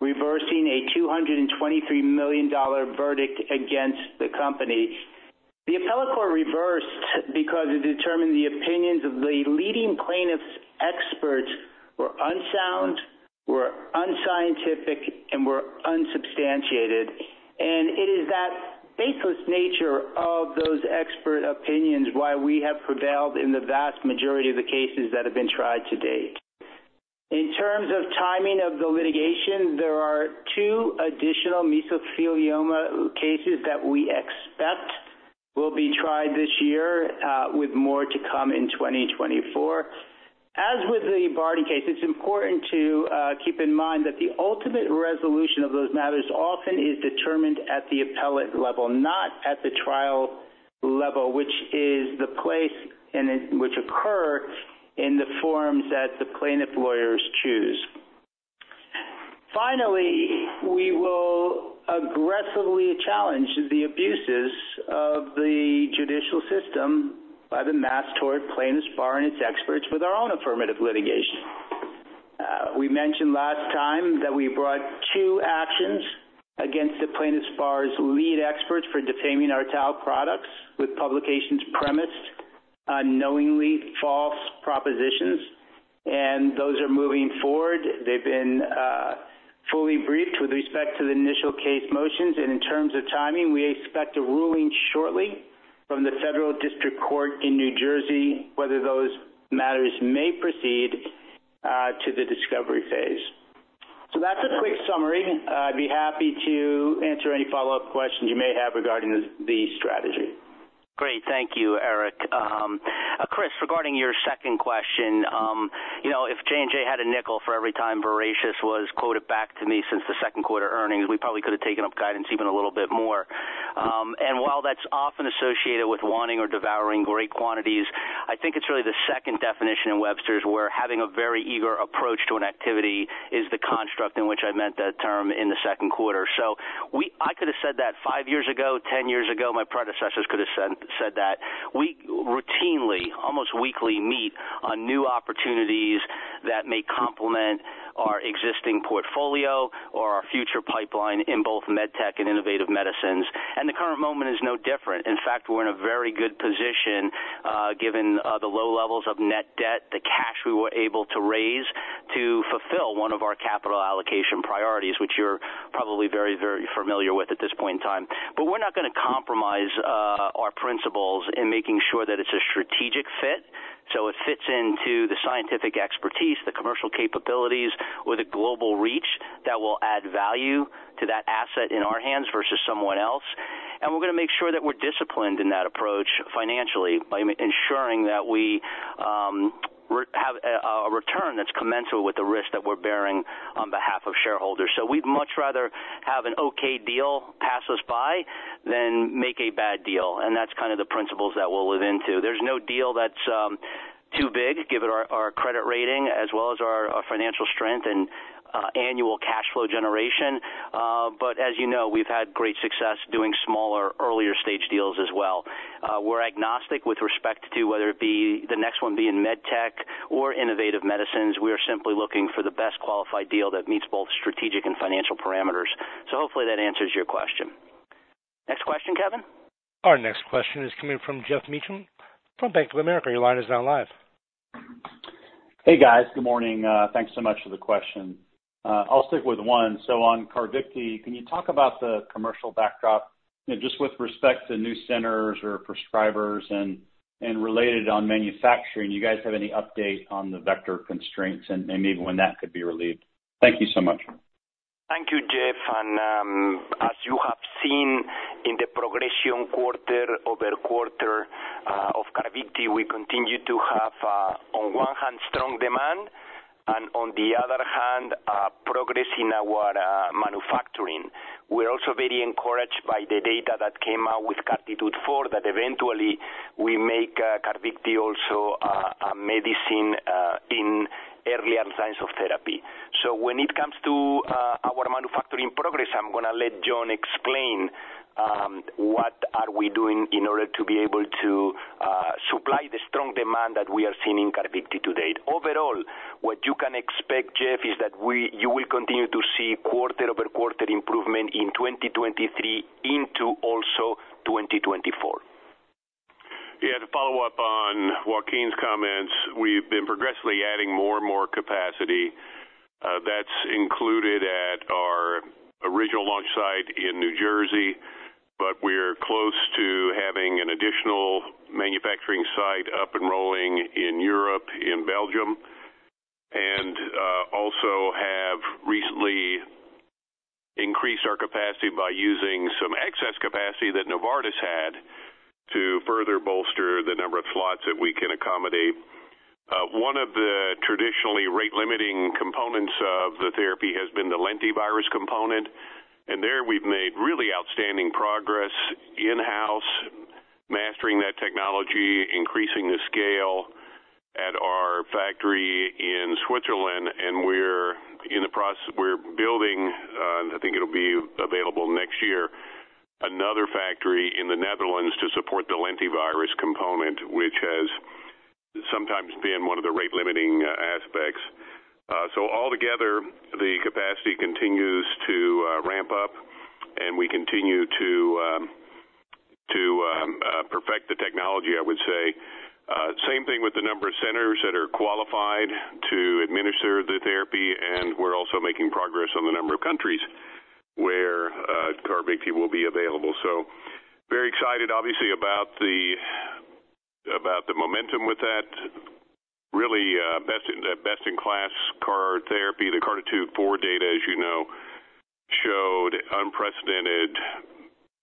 reversing a $223 million verdict against the company. The appellate court reversed because it determined the opinions of the leading plaintiff's experts were unsound, were unscientific, and were unsubstantiated. It is that baseless nature of those expert opinions why we have prevailed in the vast majority of the cases that have been tried to date. In terms of timing of the litigation, there are two additional mesothelioma cases that we expect will be tried this year, with more to come in 2024. As with the Barden case, it's important to keep in mind that the ultimate resolution of those matters often is determined at the appellate level, not at the trial level, which is the place in which occur in the forums that the plaintiff lawyers choose. Finally, we will aggressively challenge the abuses of the judicial system by the mass tort plaintiffs bar and its experts with our own affirmative litigation. We mentioned last time that we brought two actions against the plaintiffs' bar's lead experts for defaming our talc products with publications premised on knowingly false propositions, and those are moving forward. They've been fully briefed with respect to the initial case motions. And in terms of timing, we expect a ruling shortly from the Federal District Court in New Jersey, whether those matters may proceed to the discovery phase. So that's a quick summary. I'd be happy to answer any follow-up questions you may have regarding the strategy. Great. Thank you, Erik. Chris, regarding your second question, you know, if J&J had a nickel for every time voracious was quoted back to me since the second quarter earnings, we probably could have taken up guidance even a little bit more. And while that's often associated with wanting or devouring great quantities, I think it's really the second definition in Webster's, where having a very eager approach to an activity is the construct in which I meant that term in the second quarter. So, I could have said that five years ago, ten years ago, my predecessors could have said that. We routinely, almost weekly, meet on new opportunities that may complement our existing portfolio or our future pipeline in both MedTech and Innovative Medicines. And the current moment is no different. In fact, we're in a very good position, given the low levels of net debt, the cash we were able to raise to fulfill one of our capital allocation priorities, which you're probably very, very familiar with at this point in time. But we're not gonna compromise principles in making sure that it's a strategic fit, so it fits into the scientific expertise, the commercial capabilities, with a global reach that will add value to that asset in our hands versus someone else. And we're going to make sure that we're disciplined in that approach financially, by ensuring that we have a return that's commensurate with the risk that we're bearing on behalf of shareholders. So we'd much rather have an okay deal pass us by than make a bad deal, and that's kind of the principles that we'll live into. There's no deal that's too big, given our, our credit rating as well as our, our financial strength and annual cash flow generation. But as you know, we've had great success doing smaller, earlier stage deals as well. We're agnostic with respect to whether it be the next one being MedTech or Innovative Medicines. We are simply looking for the best qualified deal that meets both strategic and financial parameters. So hopefully that answers your question. Next question, Kevin? Our next question is coming from Geoff Meacham from Bank of America. Your line is now live. Hey, guys. Good morning. Thanks so much for the question. I'll stick with one. So on CARVYKTI, can you talk about the commercial backdrop, just with respect to new centers or prescribers and, and related on manufacturing? Do you guys have any update on the vector constraints and, and maybe when that could be relieved? Thank you so much. Thank you, Geoff. As you have seen in the progression quarter over quarter of CARVYKTI, we continue to have, on one hand, strong demand, and on the other hand, progress in our manufacturing. We're also very encouraged by the data that came out with CARTITUDE-4, that eventually we make CARVYKTI also a medicine in earlier lines of therapy. So when it comes to our manufacturing progress, I'm going to let John explain what we are doing in order to be able to supply the strong demand that we are seeing in CARVYKTI to date. Overall, what you can expect, Geoff, is that we—you will continue to see quarter over quarter improvement in 2023 into also 2024. Yeah, to follow up on Joaquin's comments, we've been progressively adding more and more capacity. That's included at our original launch site in New Jersey, but we're close to having an additional manufacturing site up and rolling in Europe, in Belgium, and also have recently increased our capacity by using some excess capacity that Novartis had to further bolster the number of slots that we can accommodate. One of the traditionally rate-limiting components of the therapy has been the lentivirus component, and there we've made really outstanding progress in-house, mastering that technology, increasing the scale at our factory in Switzerland, and we're in the process. We're building, I think it'll be available next year, another factory in the Netherlands to support the lentivirus component, which has sometimes been one of the rate-limiting aspects. So altogether, the capacity continues to ramp up, and we continue to perfect the technology, I would say. Same thing with the number of centers that are qualified to administer the therapy, and we're also making progress on the number of countries where CARVYKTI will be available. So very excited, obviously, about the momentum with that. Really, best in, the best-in-class CAR therapy. The CARTITUDE-4 data, as you know, showed unprecedented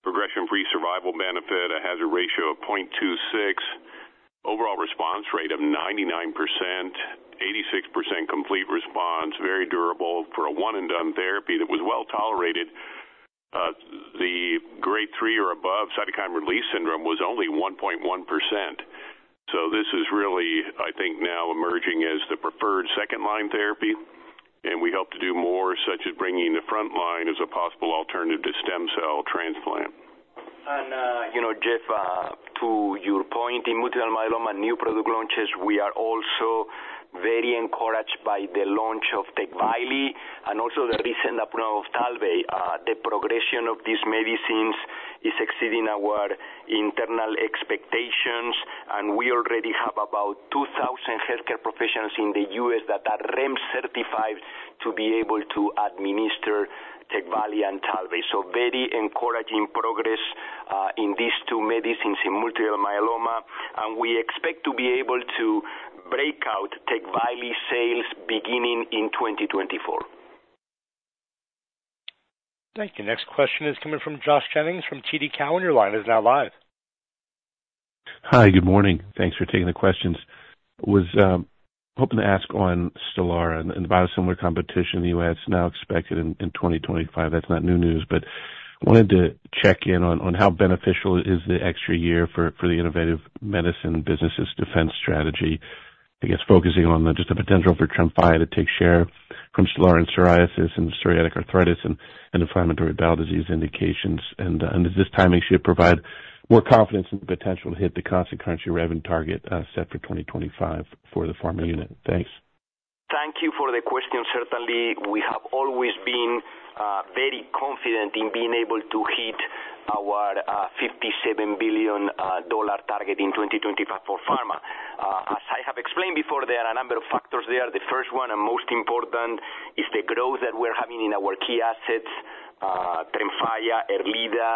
progression-free survival benefit, a hazard ratio of 0.26, overall response rate of 99%, 86% complete response, very durable for a one-and-done therapy that was well tolerated. The grade three or above cytokine release syndrome was only 1.1%. This is really, I think, now emerging as the preferred second-line therapy, and we hope to do more, such as bringing the front line as a possible alternative to stem cell transplant. You know, Geoff, to your point, in multiple myeloma new product launches, we are also very encouraged by the launch of TECVAYLI and also the recent approval of TALVEY. The progression of these medicines is exceeding our internal expectations, and we already have about 2,000 healthcare professionals in the U.S. that are REMS certified to be able to administer TECVAYLI and TALVEY. So very encouraging progress in these two medicines in multiple myeloma, and we expect to be able to break out TECVAYLI sales beginning in 2024. Thank you. Next question is coming from Josh Jennings from TD Cowen. Your line is now live. Hi, good morning. Thanks for taking the questions. Was hoping to ask on STELARA and the biosimilar competition in the U.S., now expected in 2025. That's not new news, but wanted to check in on how beneficial is the extra year for the Innovative Medicine business's defense strategy? I guess focusing on just the potential for TREMFYA to take share from STELARA in psoriasis and psoriatic arthritis and inflammatory bowel disease indications. And does this timing should provide more confidence and potential to hit the constant currency revenue target set for 2025 for the pharma unit? Thanks. Thank you for the question. Certainly, we have always been very confident in being able to hit our $57 billion target in 2025 for pharma. As I have explained before, there are a number of factors there. The first one, and most important, is the growth that we're having in our key assets. TREMFYA, ERLEADA,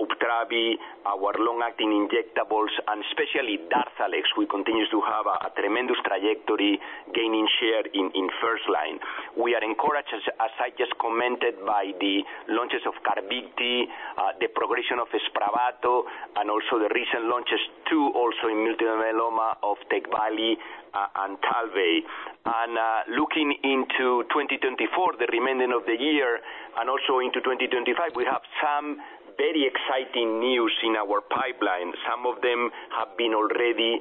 OPSUMIT, our long-acting injectables, and especially DARZALEX, who continues to have a tremendous trajectory, gaining share in first line. We are encouraged, as I just commented, by the launches of CARVYKTI, the progression of SPRAVATO, and also the recent launches, too, also in multiple myeloma of TECVAYLI and TALVEY. And looking into 2024, the remaining of the year and also into 2025, we have some very exciting news in our pipeline. Some of them have been already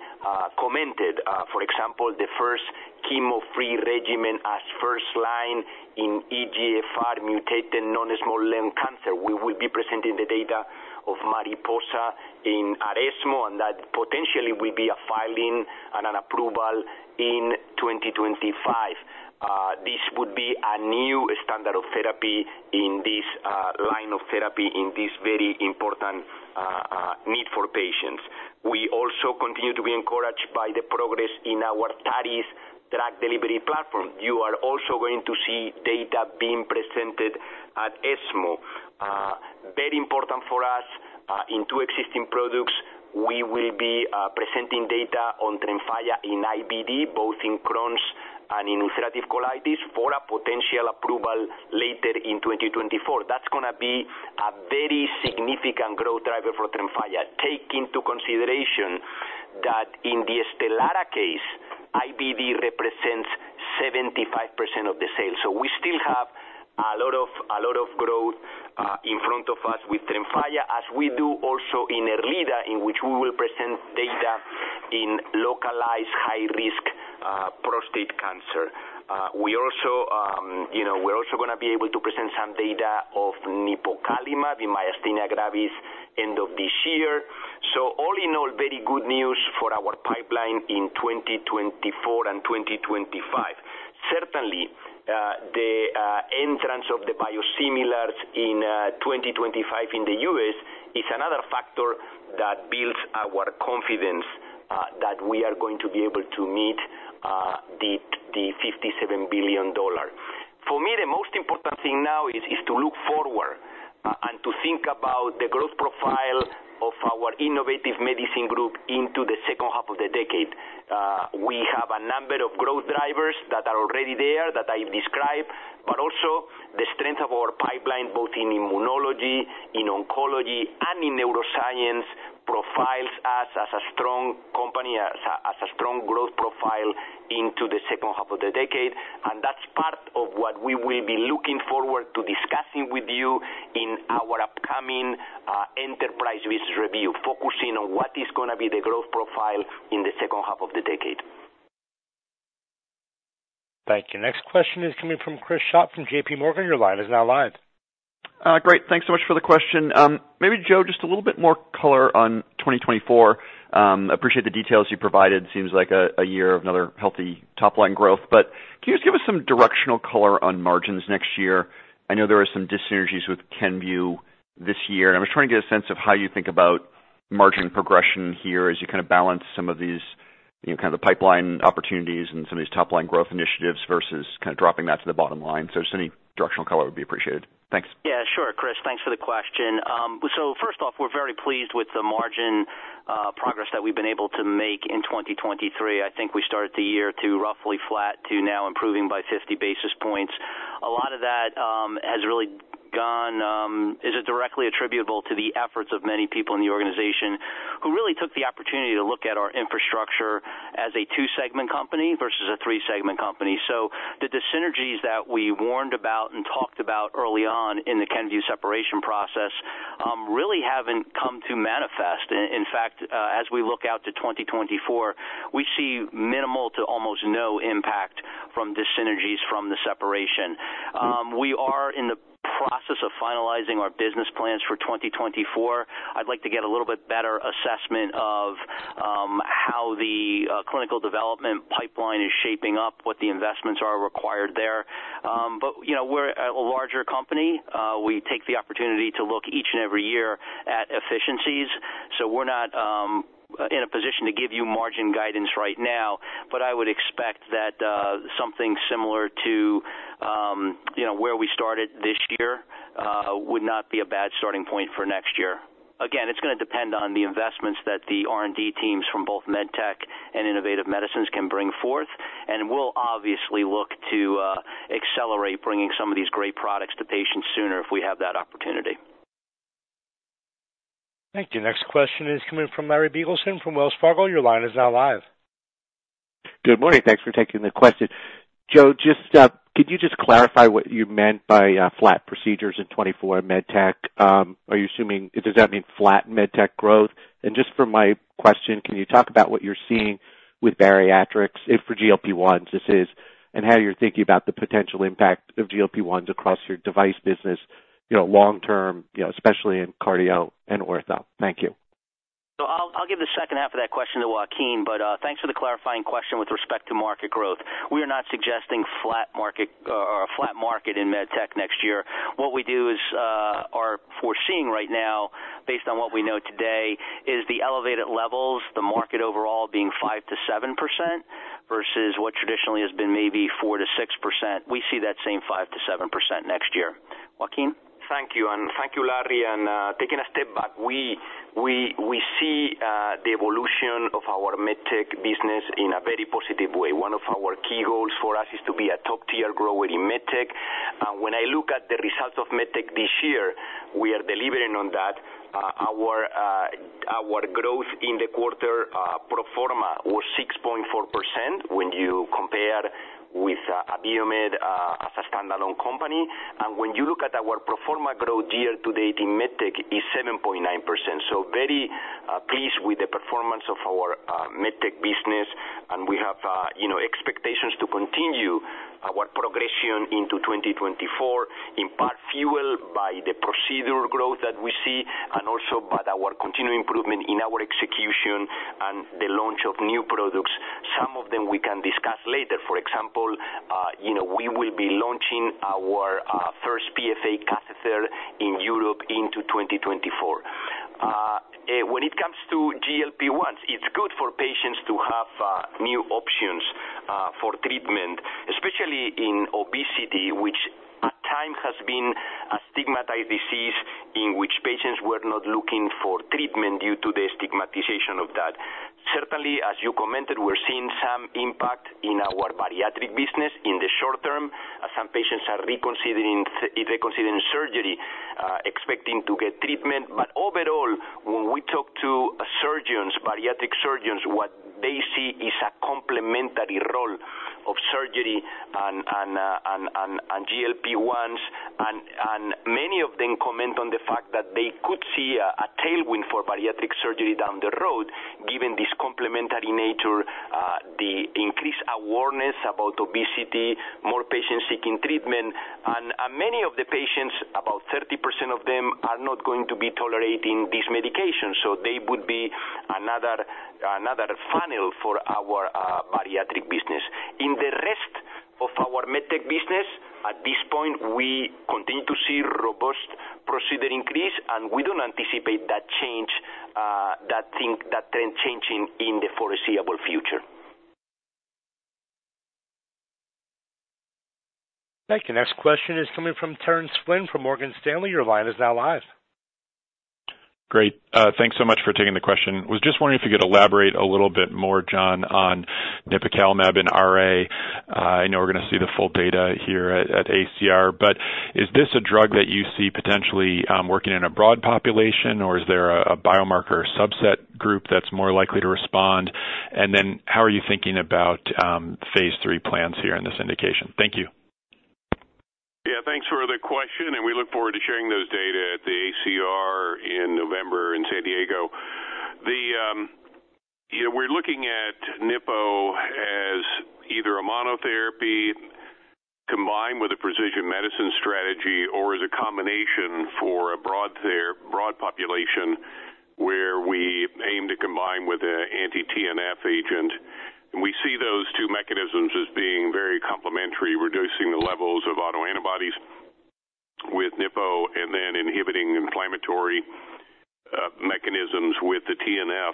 commented. For example, the first chemo-free regimen as first line in EGFR-mutated non-small cell lung cancer. We will be presenting the data of MARIPOSA in ESMO, and that potentially will be a filing and an approval in 2025. This would be a new standard of therapy in this line of therapy, in this very important need for patients. We also continue to be encouraged by the progress in our TAR drug delivery platform. You are also going to see data being presented at ESMO. Very important for us, in two existing products, we will be presenting data on TREMFYA in IBD, both in Crohn's and in ulcerative colitis, for a potential approval later in 2024. That's gonna be a very significant growth driver for TREMFYA. Take into consideration that in the STELARA case, IBD represents 75% of the sales. So we still have a lot of, a lot of growth in front of us with TREMFYA, as we do also in ERLEADA, in which we will present data in localized high-risk prostate cancer. We also, you know, we're also gonna be able to present some data of nipocalimab, the myasthenia gravis, end of this year. So all in all, very good news for our pipeline in 2024 and 2025. Certainly, the entrance of the biosimilars in 2025 in the U.S. is another factor that builds our confidence that we are going to be able to meet the $57 billion. For me, the most important thing now is to look forward and to think about the growth profile of our Innovative Medicine group into the second half of the decade. We have a number of growth drivers that are already there, that I've described, but also the strength of our pipeline, both in immunology, in oncology, and in neuroscience, profiles us as a strong company, as a strong growth profile into the second half of the decade. That's part of what we will be looking forward to discussing with you in our upcoming Enterprise Business Review, focusing on what is gonna be the growth profile in the second half of the decade. Thank you. Next question is coming from Chris Schott from JPMorgan. Your line is now live. Great. Thanks so much for the question. Maybe, Joe, just a little bit more color on 2024. Appreciate the details you provided. Seems like a year of another healthy top-line growth. But can you just give us some directional color on margins next year? I know there are some dyssynergies with Kenvue this year, and I'm just trying to get a sense of how you think about margin progression here as you kind of balance some of these, you know, kind of the pipeline opportunities and some of these top-line growth initiatives versus kind of dropping that to the bottom line. So just any directional color would be appreciated. Thanks. Yeah, sure, Chris. Thanks for the question. So first off, we're very pleased with the margin progress that we've been able to make in 2023. I think we started the year to roughly flat to now improving by 50 basis points. A lot of that has really is directly attributable to the efforts of many people in the organization who really took the opportunity to look at our infrastructure as a two-segment company versus a three-segment company. So the dyssynergies that we warned about and talked about early on in the Kenvue separation process really haven't come to manifest. In fact, as we look out to 2024, we see minimal to almost no impact from dyssynergies from the separation. We are in the process of finalizing our business plans for 2024. I'd like to get a little bit better assessment of how the clinical development pipeline is shaping up, what the investments are required there. But, you know, we're a larger company. We take the opportunity to look each and every year at efficiencies, so we're not in a position to give you margin guidance right now, but I would expect that something similar to, you know, where we started this year would not be a bad starting point for next year. Again, it's gonna depend on the investments that the R&D teams from both MedTech and Innovative Medicines can bring forth, and we'll obviously look to accelerate bringing some of these great products to patients sooner if we have that opportunity. Thank you. Next question is coming from Larry Biegelsen from Wells Fargo. Your line is now live. Good morning. Thanks for taking the question. Joe, just could you just clarify what you meant by flat procedures in 2024 MedTech? Are you assuming, does that mean flat MedTech growth? And just for my question, can you talk about what you're seeing with bariatrics, if for GLP-1s this is, and how you're thinking about the potential impact of GLP-1s across your device business, you know, long term, you know, especially in cardio and ortho? Thank you. So I'll give the second half of that question to Joaquin, but thanks for the clarifying question with respect to market growth. We are not suggesting flat market or a flat market in MedTech next year. What we are foreseeing right now, based on what we know today, is the elevated levels, the market overall being 5%-7%.... versus what traditionally has been maybe 4%-6%. We see that same 5%-7% next year. Joaquin? Thank you, and thank you, Larry. Taking a step back, we see the evolution of our MedTech business in a very positive way. One of our key goals for us is to be a top-tier grower in MedTech. And when I look at the results of MedTech this year, we are delivering on that. Our growth in the quarter, pro forma, was 6.4% when you compare with Abiomed as a standalone company. And when you look at our pro forma growth year-to-date in MedTech, is 7.9%. So very pleased with the performance of our MedTech business, and we have, you know, expectations to continue our progression into 2024, in part fueled by the procedural growth that we see and also by our continued improvement in our execution and the launch of new products. Some of them we can discuss later. For example, you know, we will be launching our first PFA catheter in Europe into 2024. When it comes to GLP-1, it's good for patients to have new options for treatment, especially in obesity, which at times has been a stigmatized disease in which patients were not looking for treatment due to the stigmatization of that. Certainly, as you commented, we're seeing some impact in our bariatric business in the short term, as some patients are reconsidering, reconsidering surgery, expecting to get treatment. But overall, when we talk to surgeons, bariatric surgeons, what they see is a complementary role of surgery and GLP-1. And many of them comment on the fact that they could see a tailwind for bariatric surgery down the road, given this complementary nature, the increased awareness about obesity, more patients seeking treatment. And many of the patients, about 30% of them, are not going to be tolerating these medications, so they would be another funnel for our bariatric business. In the rest of our MedTech business, at this point, we continue to see robust procedure increase, and we don't anticipate that change, that trend changing in the foreseeable future. Thank you. Next question is coming from Terence Flynn from Morgan Stanley. Your line is now live. Great. Thanks so much for taking the question. Was just wondering if you could elaborate a little bit more, John, on nipocalimab in RA. I know we're going to see the full data here at ACR, but is this a drug that you see potentially working in a broad population, or is there a biomarker or subset group that's more likely to respond? And then how are you thinking about phase III plans here in this indication? Thank you. Yeah, thanks for the question, and we look forward to sharing those data at the ACR in November in San Diego. The, you know, we're looking at nipo as either a monotherapy combined with a precision medicine strategy or as a combination for a broad population, where we aim to combine with a anti-TNF agent. We see those two mechanisms as being very complementary, reducing the levels of autoantibodies with nipo and then inhibiting inflammatory mechanisms with the TNF.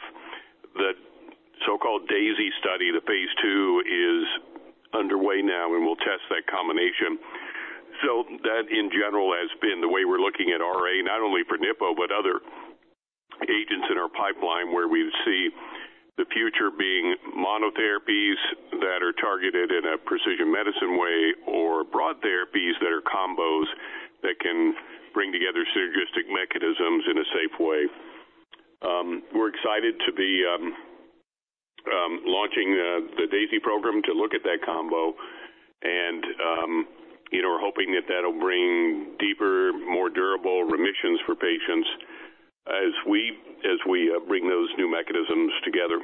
The so-called DAISY study, the phase II, is underway now, and we'll test that combination. So that, in general, has been the way we're looking at RA, not only for nipo, but other agents in our pipeline, where we see the future being monotherapies that are targeted in a precision medicine way or broad therapies that are combos that can bring together synergistic mechanisms in a safe way. We're excited to be launching the DAISY program to look at that combo, and, you know, we're hoping that that'll bring deeper, more durable remissions for patients as we bring those new mechanisms together.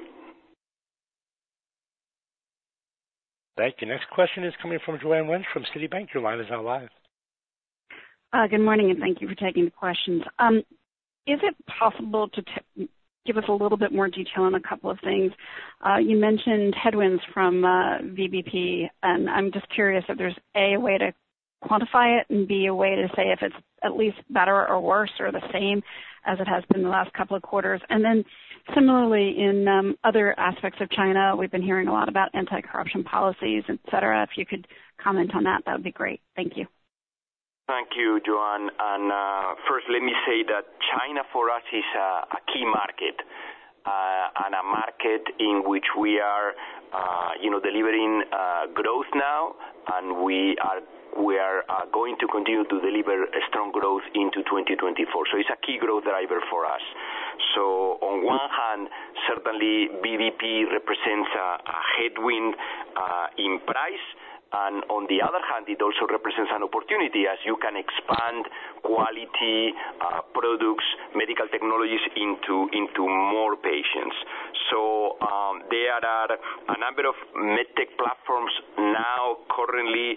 Thank you. Next question is coming from Joanne Wuensch from Citibank. Your line is now live. Good morning, and thank you for taking the questions. Is it possible to give us a little bit more detail on a couple of things? You mentioned headwinds from VBP, and I'm just curious if there's, A, a way to quantify it, and B, a way to say if it's at least better or worse or the same as it has been the last couple of quarters. And then similarly, in other aspects of China, we've been hearing a lot about anti-corruption policies, et cetera. If you could comment on that, that would be great. Thank you. Thank you, Joanne. First, let me say that China, for us, is a key market, and a market in which we are, you know, delivering growth now, and we are going to continue to deliver a strong growth into 2024. So it's a key growth driver for us. So on one hand, certainly VBP represents a headwind in price, and on the other hand, it also represents an opportunity as you can expand quality products, medical technologies into more patients. So, there are a number of MedTech platforms now currently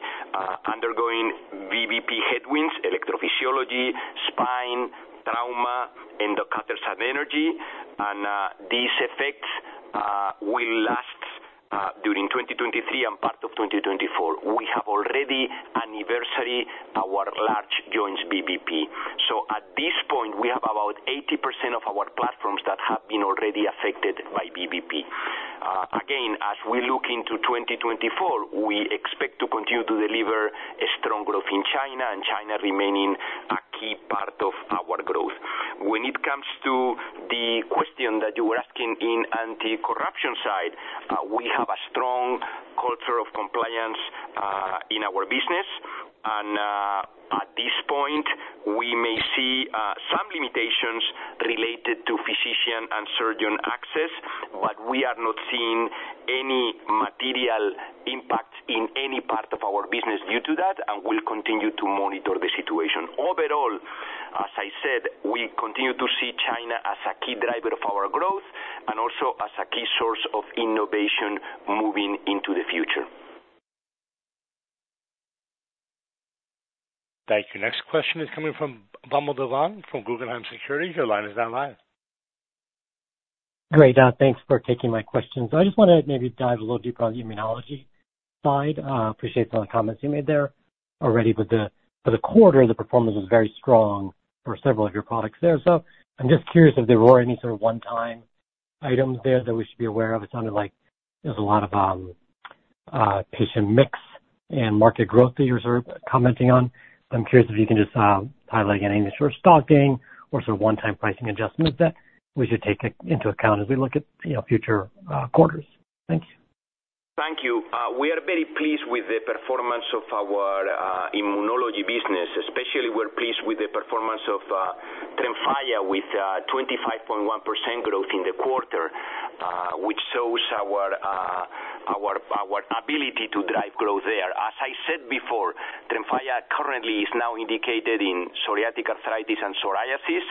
undergoing VBP headwinds, electrophysiology, spine, trauma, endocutters and energy. These effects will last during 2023 and part of 2024. We have already anniversaried our large joints VBP. So at this point, we have about 80% of our platforms that have been already affected by VBP. Again, as we look into 2024, we expect to continue to deliver a strong growth in China, and China remaining a key part of our growth. When it comes to the question that you were asking in anti-corruption side, we have a strong culture of compliance in our business. And at this point, we may see some limitations related to physician and surgeon access, but we are not seeing any material impact in any part of our business due to that, and we'll continue to monitor the situation. Overall, as I said, we continue to see China as a key driver of our growth and also as a key source of innovation moving into the future. Thank you. Next question is coming from Vamil Divan from Guggenheim Securities. Your line is now live. Great, thanks for taking my question. So I just want to maybe dive a little deeper on the immunology side, appreciate the comments you made there already, but the, for the quarter, the performance was very strong for several of your products there. So I'm just curious if there were any sort of one-time items there that we should be aware of. It sounded like there was a lot of patient mix and market growth that you were commenting on. I'm curious if you can just highlight any short stocking or sort of one-time pricing adjustments that we should take into account as we look at, you know, future quarters. Thank you. Thank you. We are very pleased with the performance of our immunology business. Especially, we're pleased with the performance of TREMFYA, with 25.1% growth in the quarter, which shows our ability to drive growth there. As I said before, TREMFYA currently is now indicated in psoriatic arthritis and psoriasis.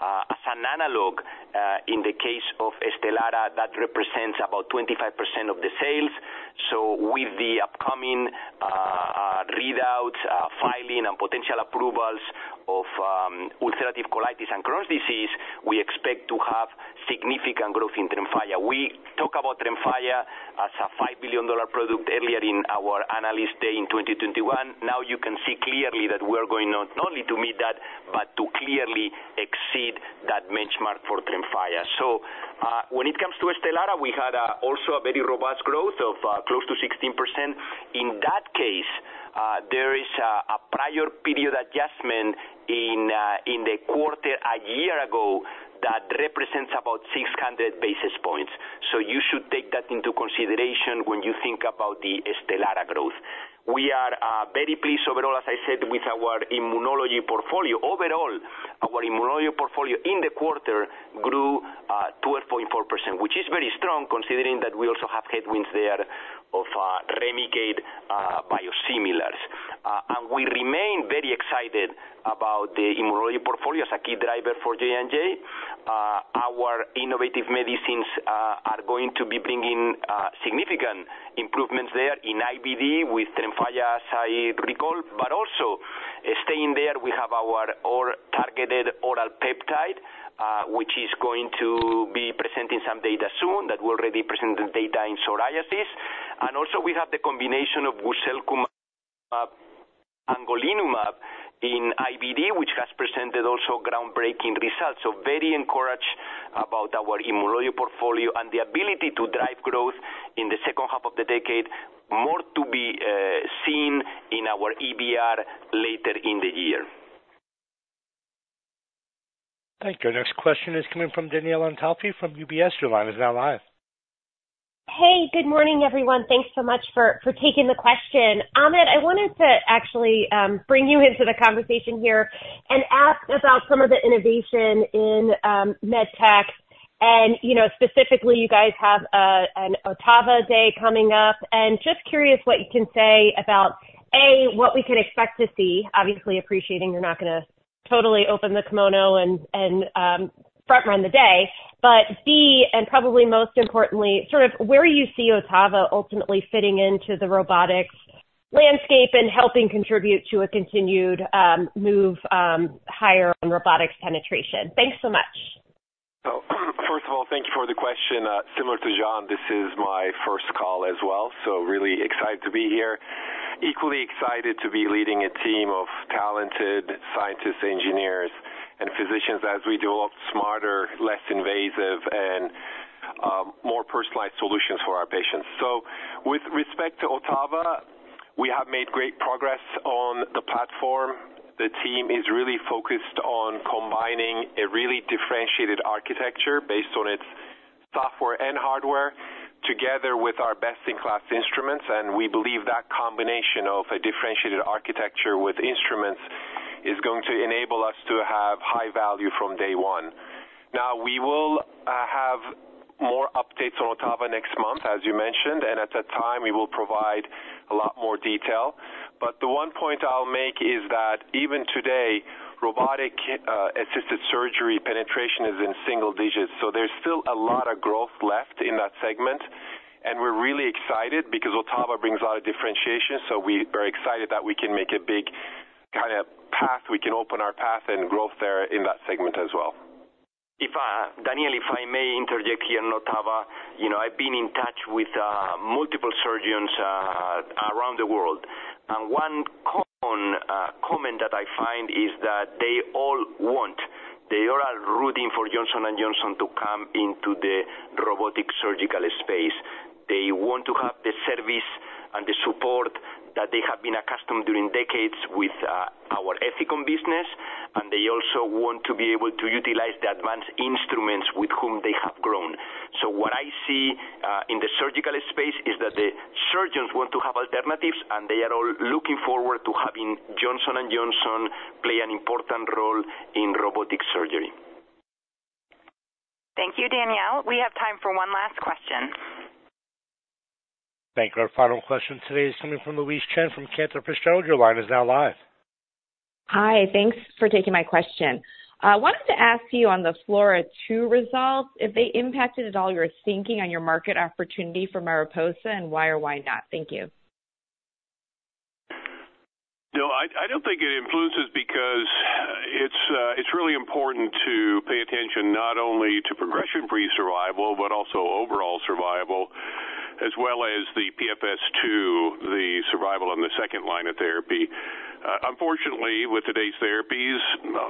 As an analog, in the case of STELARA, that represents about 25% of the sales. So with the upcoming readouts, filing and potential approvals of ulcerative colitis and Crohn's disease, we expect to have significant growth in TREMFYA. We talk about TREMFYA as a $5 billion product earlier in our analyst day in 2021. Now you can see clearly that we're going not only to meet that, but to clearly exceed that benchmark for TREMFYA. So, when it comes to STELARA, we had also a very robust growth of close to 16%. In that case, there is a prior period adjustment in the quarter a year ago that represents about 600 basis points. So you should take that into consideration when you think about the STELARA growth. We are very pleased overall, as I said, with our immunology portfolio. Overall, our immunology portfolio in the quarter grew 12.4%, which is very strong considering that we also have headwinds there of REMICADE biosimilars. And we remain very excited about the immunology portfolio as a key driver for J&J. Our Innovative Medicines are going to be bringing significant improvements there in IBD with TREMFYA, as I recall, but also staying there, we have our targeted oral peptide, which is going to be presenting some data soon, that we already presented data in psoriasis. And also we have the combination of guselkumab and golimumab in IBD, which has presented also groundbreaking results. So very encouraged about our immunology portfolio and the ability to drive growth in the second half of the decade. More to be seen in our EBR later in the year. Thank you. Next question is coming from Danielle Antalffy from UBS. Your line is now live. Hey, good morning, everyone. Thanks so much for taking the question. Ahmet, I wanted to actually bring you into the conversation here and ask about some of the innovation in MedTech. And, you know, specifically, you guys have an OTTAVA day coming up, and just curious what you can say about, A, what we could expect to see, obviously appreciating you're not gonna totally open the kimono and front run the day. But B, and probably most importantly, sort of where you see OTTAVA ultimately fitting into the robotics landscape and helping contribute to a continued move higher on robotics penetration. Thanks so much. So first of all, thank you for the question. Similar to John, this is my first call as well, so really excited to be here. Equally excited to be leading a team of talented scientists, engineers, and physicians as we develop smarter, less invasive and more personalized solutions for our patients. So with respect to OTTAVA, we have made great progress on the platform. The team is really focused on combining a really differentiated architecture based on its software and hardware, together with our best-in-class instruments. And we believe that combination of a differentiated architecture with instruments is going to enable us to have high value from day one. Now, we will have more updates on OTTAVA next month, as you mentioned, and at that time, we will provide a lot more detail. But the one point I'll make is that even today, robotic assisted surgery penetration is in single digits, so there's still a lot of growth left in that segment, and we're really excited because OTTAVA brings a lot of differentiation. So we are excited that we can make a big kind of path. We can open our path and growth there in that segment as well. If, Danielle, if I may interject here on OTTAVA. You know, I've been in touch with multiple surgeons around the world. And one common comment that I find is that they all want, they all are rooting for Johnson & Johnson to come into the robotic surgical space. They want to have the service and the support that they have been accustomed during decades with our Ethicon business, and they also want to be able to utilize the advanced instruments with whom they have grown. So what I see in the surgical space is that the surgeons want to have alternatives, and they are all looking forward to having Johnson & Johnson play an important role in robotic surgery. Thank you, Danielle. We have time for one last question. Thank you. Our final question today is coming from Louise Chen from Cantor Fitzgerald. Your line is now live. Hi, thanks for taking my question. I wanted to ask you on the FLAURA2 results, if they impacted at all your thinking on your market opportunity for MARIPOSA, and why or why not? Thank you. No, I, I don't think it influences because it's, it's really important to pay attention not only to progression-free survival, but also overall survival, as well as the PFS2, the survival on the second line of therapy. Unfortunately, with today's therapies,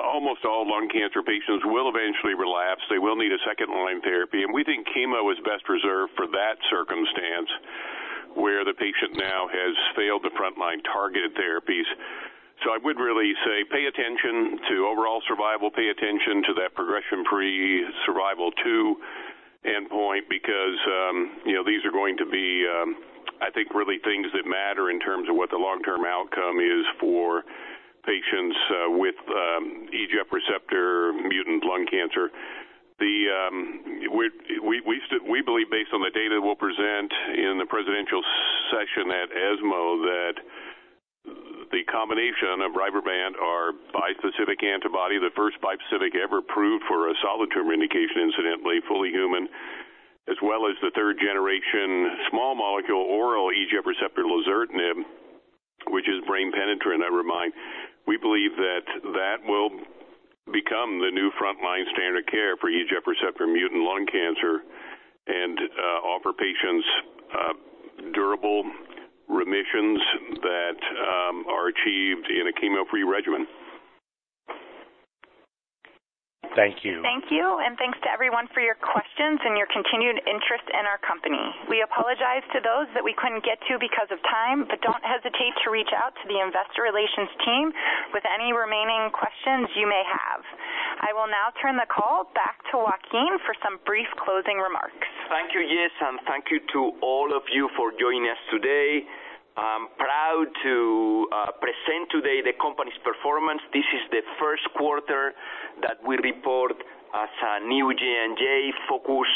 almost all lung cancer patients will eventually relapse. They will need a second-line therapy, and we think chemo is best reserved for that circumstance, where the patient now has failed the frontline targeted therapies. So I would really say pay attention to overall survival, pay attention to that progression-free survival two endpoint because, you know, these are going to be, I think, really things that matter in terms of what the long-term outcome is for patients, with EGFR mutant lung cancer. We believe based on the data we'll present in the presidential session at ESMO, that the combination of RYBREVANT, our bispecific antibody, the first bispecific ever approved for a solid tumor indication, incidentally, fully human, as well as the third generation small molecule oral EGF receptor lazertinib, which is brain penetrant, I remind. We believe that that will become the new frontline standard of care for EGF receptor mutant lung cancer and offer patients durable remissions that are achieved in a chemo-free regimen. Thank you. Thank you, and thanks to everyone for your questions and your continued interest in our company. We apologize to those that we couldn't get to because of time, but don't hesitate to reach out to the investor relations team with any remaining questions you may have. I will now turn the call back to Joaquin for some brief closing remarks. Thank you, yes, and thank you to all of you for joining us today. I'm proud to present today the company's performance. This is the first quarter that we report as a new J&J focus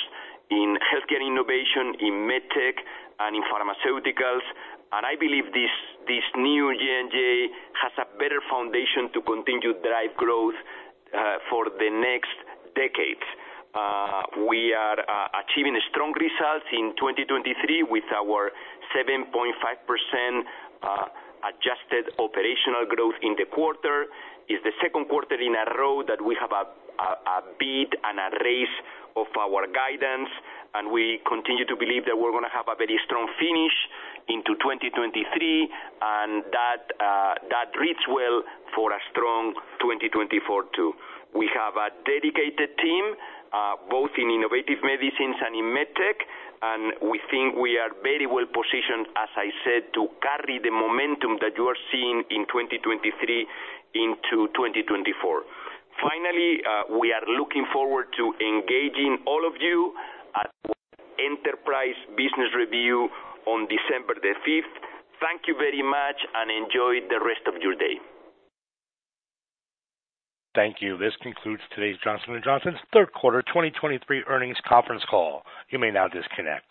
in healthcare innovation, in MedTech and in pharmaceuticals. And I believe this new J&J has a better foundation to continue to drive growth for the next decade. We are achieving strong results in 2023, with our 7.5% adjusted operational growth in the quarter. It's the second quarter in a row that we have a bid and a raise of our guidance, and we continue to believe that we're going to have a very strong finish into 2023, and that that reads well for a strong 2024 too. We have a dedicated team both in Innovative Medicine and in MedTech, and we think we are very well positioned, as I said, to carry the momentum that you are seeing in 2023 into 2024. Finally, we are looking forward to engaging all of you at Enterprise Business Review on December 5th. Thank you very much, and enjoy the rest of your day. Thank you. This concludes today's Johnson & Johnson's third quarter 2023 earnings conference call. You may now disconnect.